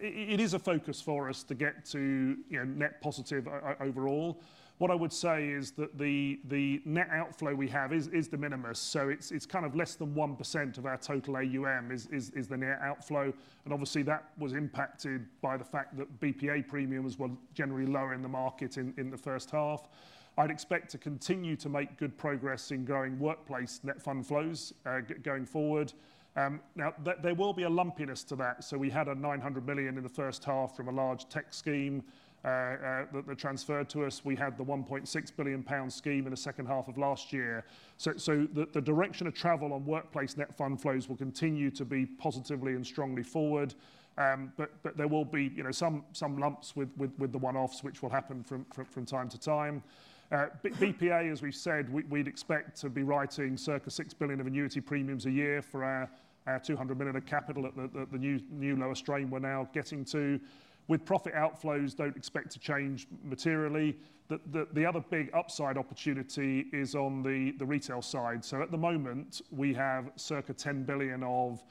it is a focus for us to get to, you know, net positive overall. What I would say is that the net outflow we have is de minimis, so it's kind of less than 1% of our total AUM, is the net outflow. And obviously, that was impacted by the fact that BPA premiums were generally lower in the market in the first half. I'd expect to continue to make good progress in growing workplace net fund flows, going forward. Now, there will be a lumpiness to that. We had 900 million in the first half from a large tech scheme that transferred to us. We had the 1.6 billion pound scheme in the second half of last year. The direction of travel on workplace net fund flows will continue to be positively and strongly forward. There will be, you know, some lumps with the one-offs, which will happen from time to time. BPA, as we've said, we'd expect to be writing circa 6 billion of annuity premiums a year for our 200 million of capital at the new lower strain we're now getting to. With-profits outflows don't expect to change materially. The other big upside opportunity is on the retail side. So at the moment, we have circa 10 billion of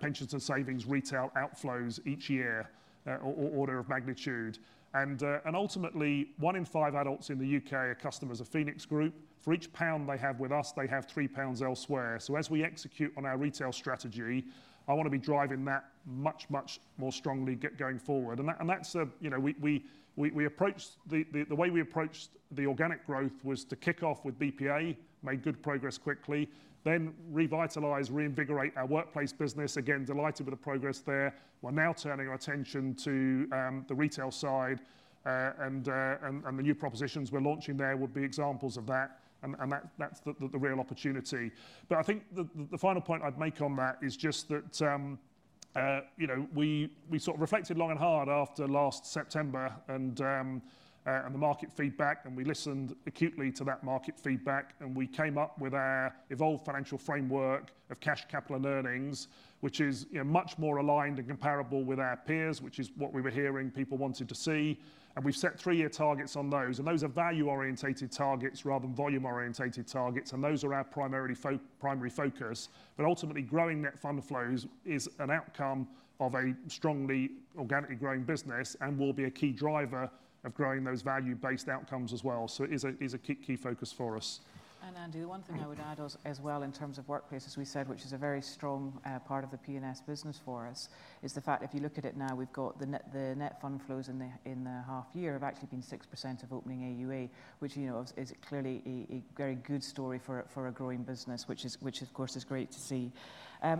Pensions and Savings retail outflows each year, or order of magnitude. And ultimately, one in five adults in the U.K. are customers of Phoenix Group. For each pound they have with us, they have three pounds elsewhere. So as we execute on our retail strategy, I want to be driving that much, much more strongly going forward. And that's, you know, the way we approached the organic growth was to kick off with BPA, made good progress quickly, then revitalize, reinvigorate our workplace business. Again, delighted with the progress there. We're now turning our attention to the retail side, and the new propositions we're launching there will be examples of that, and that's the real opportunity. But I think the final point I'd make on that is just that, you know, we sort of reflected long and hard after last September and the market feedback, and we listened acutely to that market feedback, and we came up with our evolved financial framework of cash, capital, and earnings. Which is, you know, much more aligned and comparable with our peers, which is what we were hearing people wanted to see. And we've set three-year targets on those, and those are value-oriented targets rather than volume-oriented targets, and those are our primary focus. But ultimately, growing net fund flows is an outcome of a strongly organically growing business and will be a key driver of growing those value-based outcomes as well. So it is a key focus for us. And Andy, the one thing I would add is, as well, in terms of workplace, as we said, which is a very strong part of the PNS business for us, is the fact that if you look at it now, we've got the net fund flows in the half year have actually been 6% of opening AUA, which, you know, is clearly a very good story for a growing business, which of course is great to see.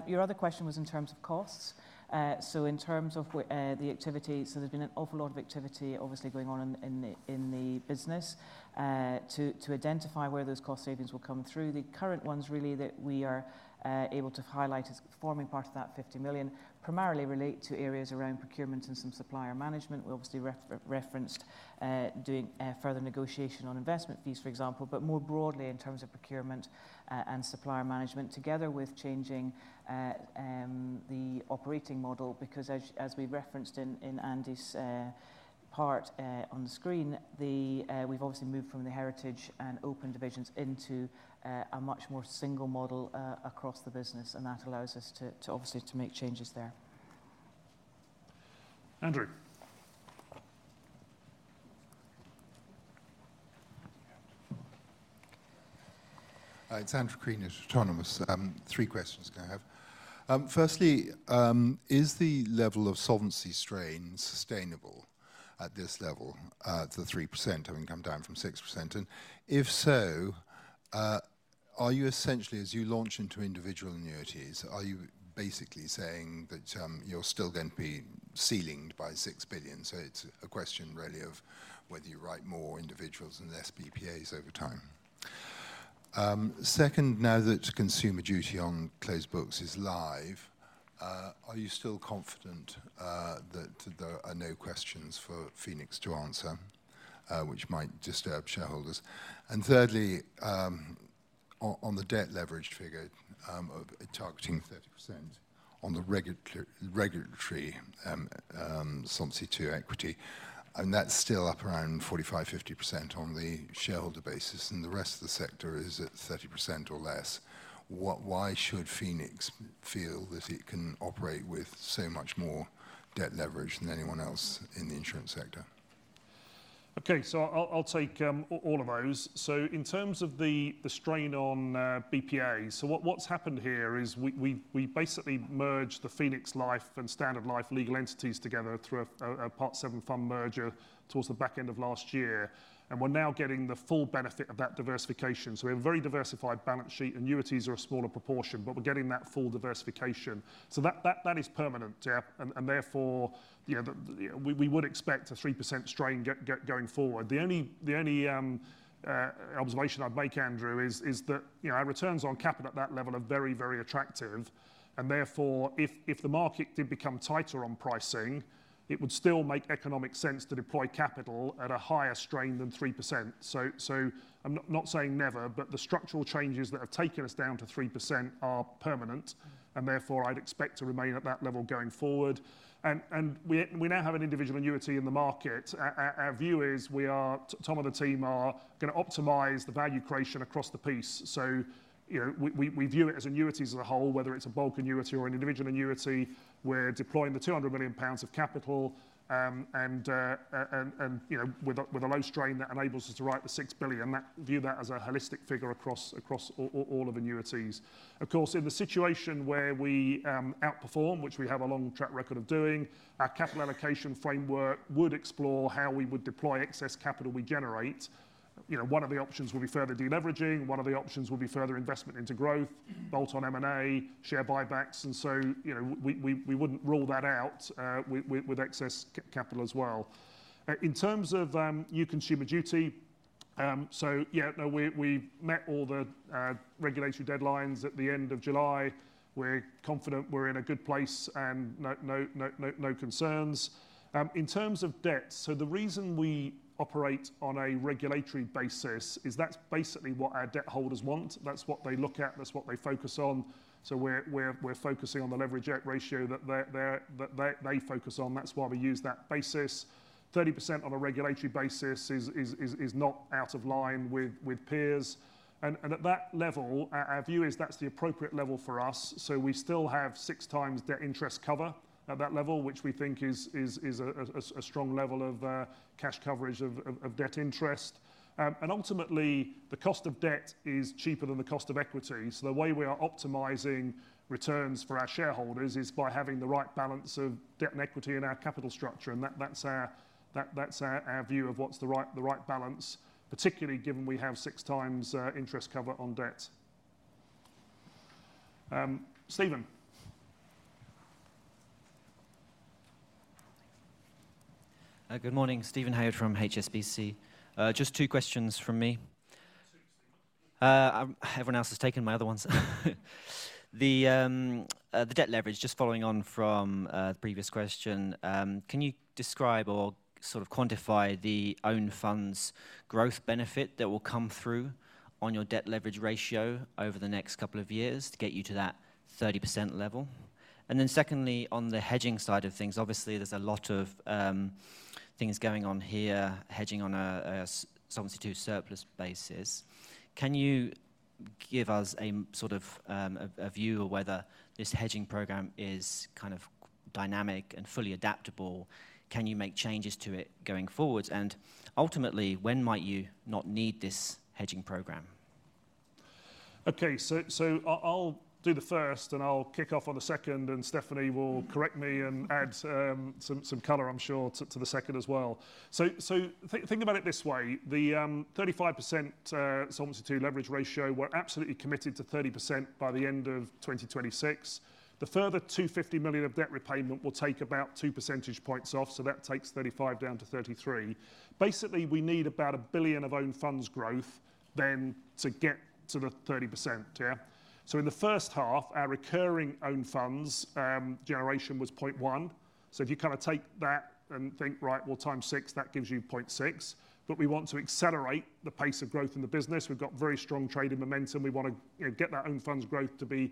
Your other question was in terms of costs. So in terms of the activity, so there's been an awful lot of activity obviously going on in the business to identify where those cost savings will come through. The current ones really that we are able to highlight as forming part of that 50 million primarily relate to areas around procurement and some supplier management. We obviously referenced doing further negotiation on investment fees, for example, but more broadly in terms of procurement and supplier management, together with changing the operating model, because as we referenced in Andy's part on the screen, we've obviously moved from the Heritage and Open divisions into a much more single model across the business, and that allows us to obviously to make changes there. Andrew. It's Andrew Crean at Autonomous. Three questions can I have? Firstly, is the level of capital strain sustainable at this level, to the 3%, having come down from 6%? And if so, are you essentially, as you launch into individual annuities, are you basically saying that, you're still going to be ceilinged by 6 billion? So it's a question really of whether you write more individuals and less BPAs over time. Second, now that Consumer Duty on closed books is live, are you still confident, that there are no questions for Phoenix to answer, which might disturb shareholders? Thirdly, on the debt leverage figure of targeting 30% on the regulatory Solvency II equity, and that's still up around 45%-50% on the shareholder basis, and the rest of the sector is at 30% or less. Why should Phoenix feel that it can operate with so much more debt leverage than anyone else in the insurance sector? Okay, so I'll take all of those. So in terms of the strain on BPA, so what's happened here is we basically merged the Phoenix Life and Standard Life legal entities together through a Part Seven fund merger towards the back end of last year, and we're now getting the full benefit of that diversification. So we have a very diversified balance sheet. Annuities are a smaller proportion, but we're getting that full diversification. So that is permanent, yeah, and therefore, you know, we would expect a 3% strain going forward. The only observation I'd make, Andrew, is that you know, our returns on capital at that level are very, very attractive, and therefore, if the market did become tighter on pricing, it would still make economic sense to deploy capital at a higher strain than 3%. So I'm not saying never, but the structural changes that have taken us down to 3% are permanent, and therefore, I'd expect to remain at that level going forward. And we now have an individual annuity in the market. Our view is we are, Tom and the team are gonna optimize the value creation across the piece. So you know, we view it as annuities as a whole, whether it's a bulk annuity or an individual annuity. We're deploying the 200 million pounds of capital, you know, with a low strain that enables us to write the 6 billion, and that view that as a holistic figure across all of annuities. Of course, in the situation where we outperform, which we have a long track record of doing, our capital allocation framework would explore how we would deploy excess capital we generate. You know, one of the options will be further de-leveraging. One of the options will be further investment into growth, bolt-on M&A, share buybacks, and so, you know, we wouldn't rule that out with excess capital as well. In terms of new Consumer Duty, so yeah, no, we met all the regulatory deadlines at the end of July. We're confident we're in a good place and no, no, no, no, no concerns. In terms of debt, so the reason we operate on a regulatory basis is that's basically what our debt holders want. That's what they look at, that's what they focus on. So we're focusing on the leverage ratio that they focus on. That's why we use that basis. 30% on a regulatory basis is not out of line with peers, and at that level, our view is that's the appropriate level for us. So we still have six times debt interest cover at that level, which we think is a strong level of cash coverage of debt interest. And ultimately, the cost of debt is cheaper than the cost of equity. So the way we are optimizing returns for our shareholders is by having the right balance of debt and equity in our capital structure, and that's our view of what's the right balance, particularly given we have six times interest cover on debt. Steven? Good morning. Steven Howard from HSBC. Just two questions from me. Everyone else has taken my other ones. The debt leverage, just following on from the previous question, can you describe or sort of quantify the own funds growth benefit that will come through on your debt leverage ratio over the next couple of years to get you to that 30% level? And then secondly, on the hedging side of things, obviously, there's a lot of things going on here, hedging on a Solvency II surplus basis. Can you give us a sort of a view of whether this hedging program is kind of dynamic and fully adaptable? Can you make changes to it going forward, and ultimately, when might you not need this hedging program? Okay. So I'll do the first, and I'll kick off on the second, and Stephanie will correct me and add some color, I'm sure, to the second as well. So think about it this way: the 35% solvency to leverage ratio, we're absolutely committed to 30% by the end of 2026. The further 250 million of debt repayment will take about two percentage points off, so that takes 35 down to 33. Basically, we need about 1 billion of own funds growth then to get to the 30%, yeah? So in the first half, our recurring own funds generation was 0.1. So if you kind of take that and think, right, well, times 6, that gives you 0.6. But we want to accelerate the pace of growth in the business. We've got very strong trading momentum. We wanna, you know, get that own funds growth to be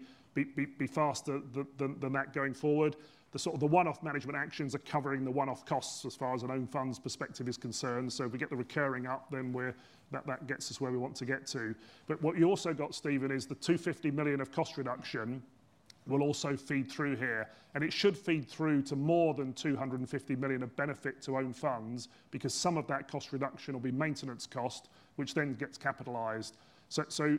faster than that going forward. The sort of the one-off management actions are covering the one-off costs as far as an own funds perspective is concerned. So if we get the recurring up, then we're. That gets us where we want to get to. But what you've also got, Steven, is the 250 million of cost reduction will also feed through here, and it should feed through to more than 250 million of benefit to own funds, because some of that cost reduction will be maintenance cost, which then gets capitalized. So,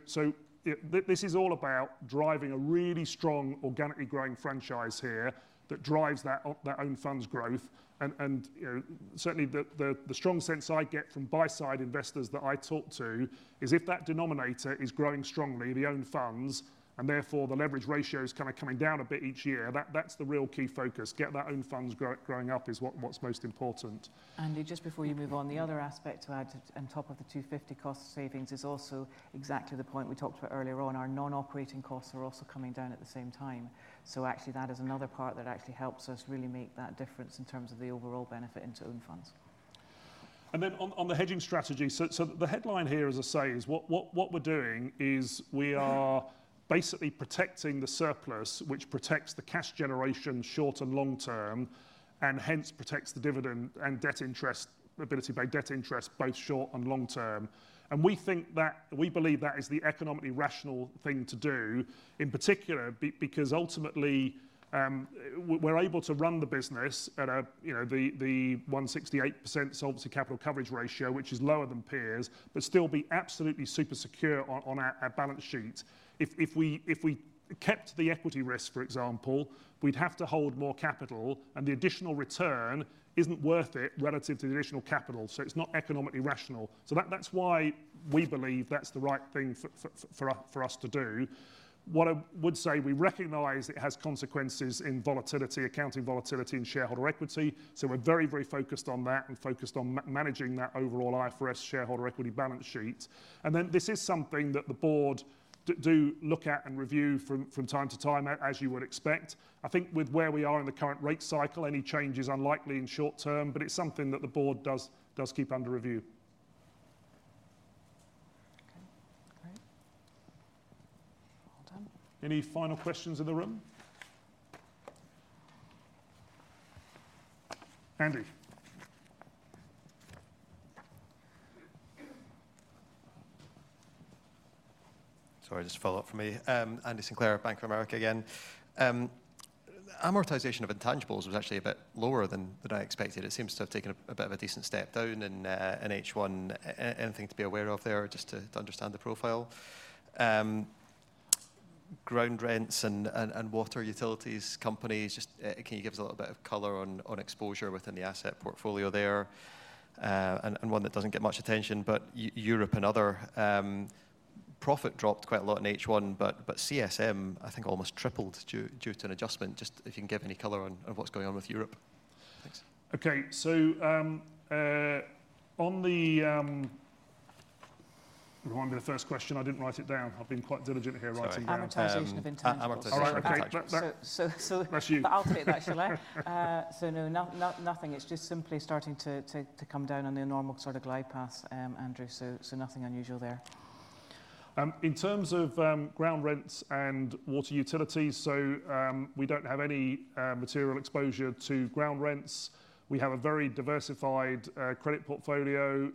this is all about driving a really strong, organically growing franchise here, that drives that own funds growth. you know, certainly, the strong sense I get from buy-side investors that I talk to is if that denominator is growing strongly, the Own Funds, and therefore, the Leverage Ratio is kind of coming down a bit each year, that's the real key focus. Get that Own Funds growing up is what's most important. Andy, just before you move on, the other aspect to add to on top of the 250 cost savings is also exactly the point we talked about earlier on. Our non-operating costs are also coming down at the same time, so actually, that is another part that actually helps us really make that difference in terms of the overall benefit into Own Funds. Then on the hedging strategy. So the headline here, as I say, is what we're doing is we are basically protecting the surplus, which protects the cash generation short and long term, and hence protects the dividend and debt interest, ability to pay debt interest, both short and long term. And we believe that is the economically rational thing to do, in particular, because ultimately, we're able to run the business at, you know, the 168% solvency capital coverage ratio, which is lower than peers, but still be absolutely super secure on our balance sheet. If we kept the equity risk, for example, we'd have to hold more capital, and the additional return isn't worth it relative to the additional capital, so it's not economically rational. So that, that's why we believe that's the right thing for us to do. What I would say, we recognize it has consequences in volatility, accounting volatility, and shareholder equity, so we're very, very focused on that and focused on managing that overall IFRS shareholder equity balance sheet, and then this is something that the board do look at and review from time to time, as you would expect. I think with where we are in the current rate cycle, any change is unlikely in short term, but it's something that the board does keep under review. Okay. Great. Well done. Any final questions in the room? Andy. Sorry, just a follow-up from me. Andy Sinclair, Bank of America, again. Amortization of intangibles was actually a bit lower than I expected. It seems to have taken a bit of a decent step down in H1. Anything to be aware of there, just to understand the profile? Ground rents and water utilities companies, just can you give us a little bit of color on exposure within the asset portfolio there? And one that doesn't get much attention, but Europe and other, profit dropped quite a lot in H1, but CSM, I think, almost tripled due to an adjustment. Just if you can give any color on what's going on with Europe. Thanks. Okay, so, remind me the first question. I didn't write it down. I've been quite diligent here, writing down- Sorry. Um- Amortization of intangibles. Amortization of intangibles. All right. Okay. So, so. That's you. But I'll take that, shall I? So no, nothing. It's just simply starting to come down on the normal sort of glide path, Andrew, so nothing unusual there. In terms of ground rents and water utilities, so, we don't have any material exposure to ground rents. We have a very diversified credit portfolio,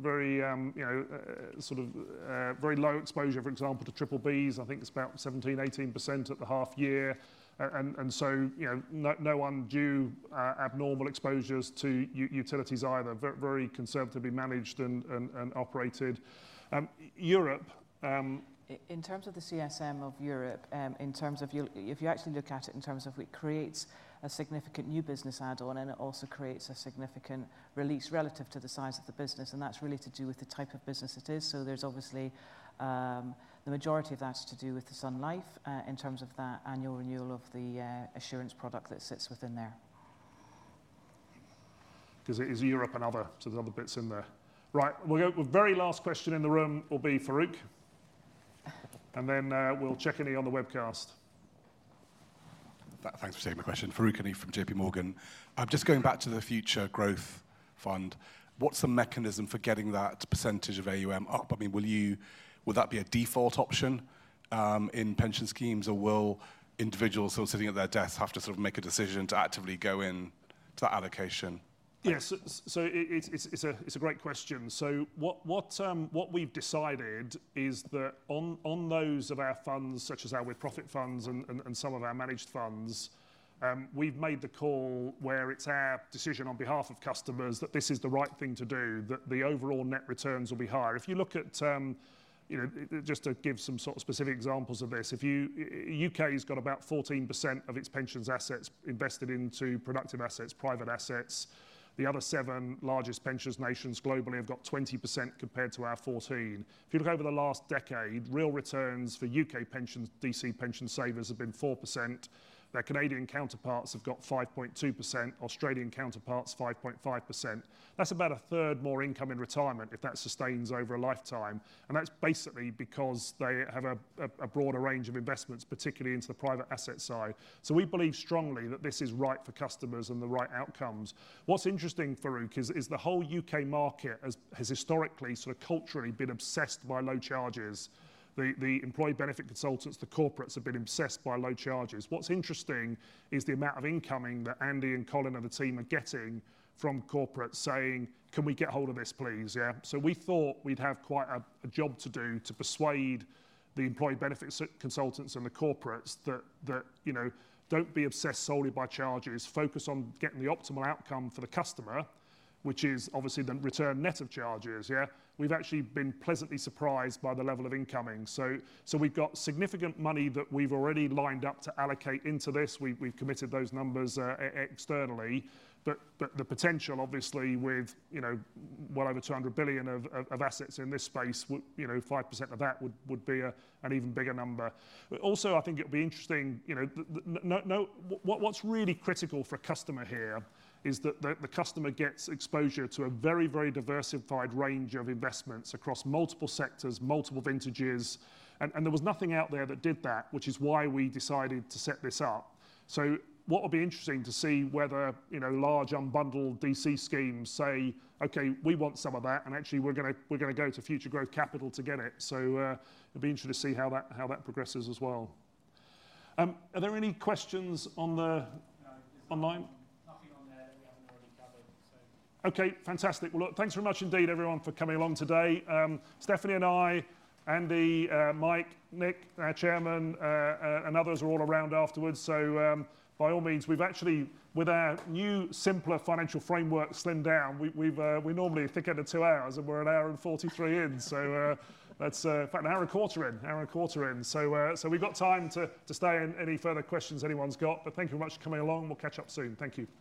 very, you know, sort of, very low exposure, for example, to BBBs. I think it's about 17%-18% at the half year. And so, you know, no undue abnormal exposures to utilities either. Very conservatively managed and operated. Europe, In terms of the CSM of Europe, in terms of if you actually look at it in terms of it creates a significant new business add-on, and it also creates a significant release relative to the size of the business, and that's really to do with the type of business it is. So there's obviously the majority of that is to do with the SunLife, in terms of that annual renewal of the assurance product that sits within there. Because it is Europe and other, so there's other bits in there. Right. We'll go. The very last question in the room will be Farooq, and then we'll check any on the webcast. Thanks for taking my question. Farooq Hanif from JPMorgan. Just going back to the Future Growth Capital, what's the mechanism for getting that percentage of AUM up? I mean, will that be a default option in pension schemes, or will individuals sort of sitting at their desks have to sort of make a decision to actively go in to that allocation? Yes, so it's a great question. So what we've decided is that on those of our funds, such as our with-profit funds and some of our managed funds, we've made the call where it's our decision on behalf of customers that this is the right thing to do, that the overall net returns will be higher. If you look at, you know, just to give some sort of specific examples of this, if U.K.'s got about 14% of its pensions assets invested into productive assets, private assets. The other seven largest pensions nations globally have got 20% compared to our fourteen. If you look over the last decade, real returns for U.K. pensions, DC pension savers have been 4%. Their Canadian counterparts have got 5.2%, Australian counterparts, 5.5%. That's about a third more income in retirement if that sustains over a lifetime, and that's basically because they have a broader range of investments, particularly into the private asset side. So we believe strongly that this is right for customers and the right outcomes. What's interesting, Farooq, is the whole U.K. market has historically, sort of culturally, been obsessed by low charges. The employee benefit consultants, the corporates, have been obsessed by low charges. What's interesting is the amount of incoming that Andy and Colin and the team are getting from corporates saying: "Can we get hold of this, please?" Yeah. We thought we'd have quite a job to do to persuade the employee benefits consultants and the corporates that, you know, don't be obsessed solely by charges. Focus on getting the optimal outcome for the customer, which is obviously the return net of charges, yeah? We've actually been pleasantly surprised by the level of incoming, so we've got significant money that we've already lined up to allocate into this. We've committed those numbers externally, but the potential, obviously, with, you know, well over 200 billion of assets in this space, would, you know, 5% of that would be an even bigger number. But also, I think it'll be interesting, you know, what, what's really critical for a customer here is that the customer gets exposure to a very, very diversified range of investments across multiple sectors, multiple vintages, and there was nothing out there that did that, which is why we decided to set this up. So what will be interesting to see whether, you know, large, unbundled DC schemes say, "Okay, we want some of that, and actually, we're gonna go to Future Growth Capital to get it." So, it'll be interesting to see how that progresses as well. Are there any questions on the? No, there's online? Nothing on there that we haven't already covered, so. Okay, fantastic. Well, look, thanks very much indeed, everyone, for coming along today. Stephanie and I, Andy, Mike, Nick, our chairman, and others are all around afterwards, so, by all means, we've actually, with our new, simpler financial framework, slimmed down. We normally think under two hours, and we're an hour and 43 in, so, that's in fact, an hour and a quarter in. So, we've got time to stay and any further questions anyone's got, but thank you very much for coming along. We'll catch up soon. Thank you.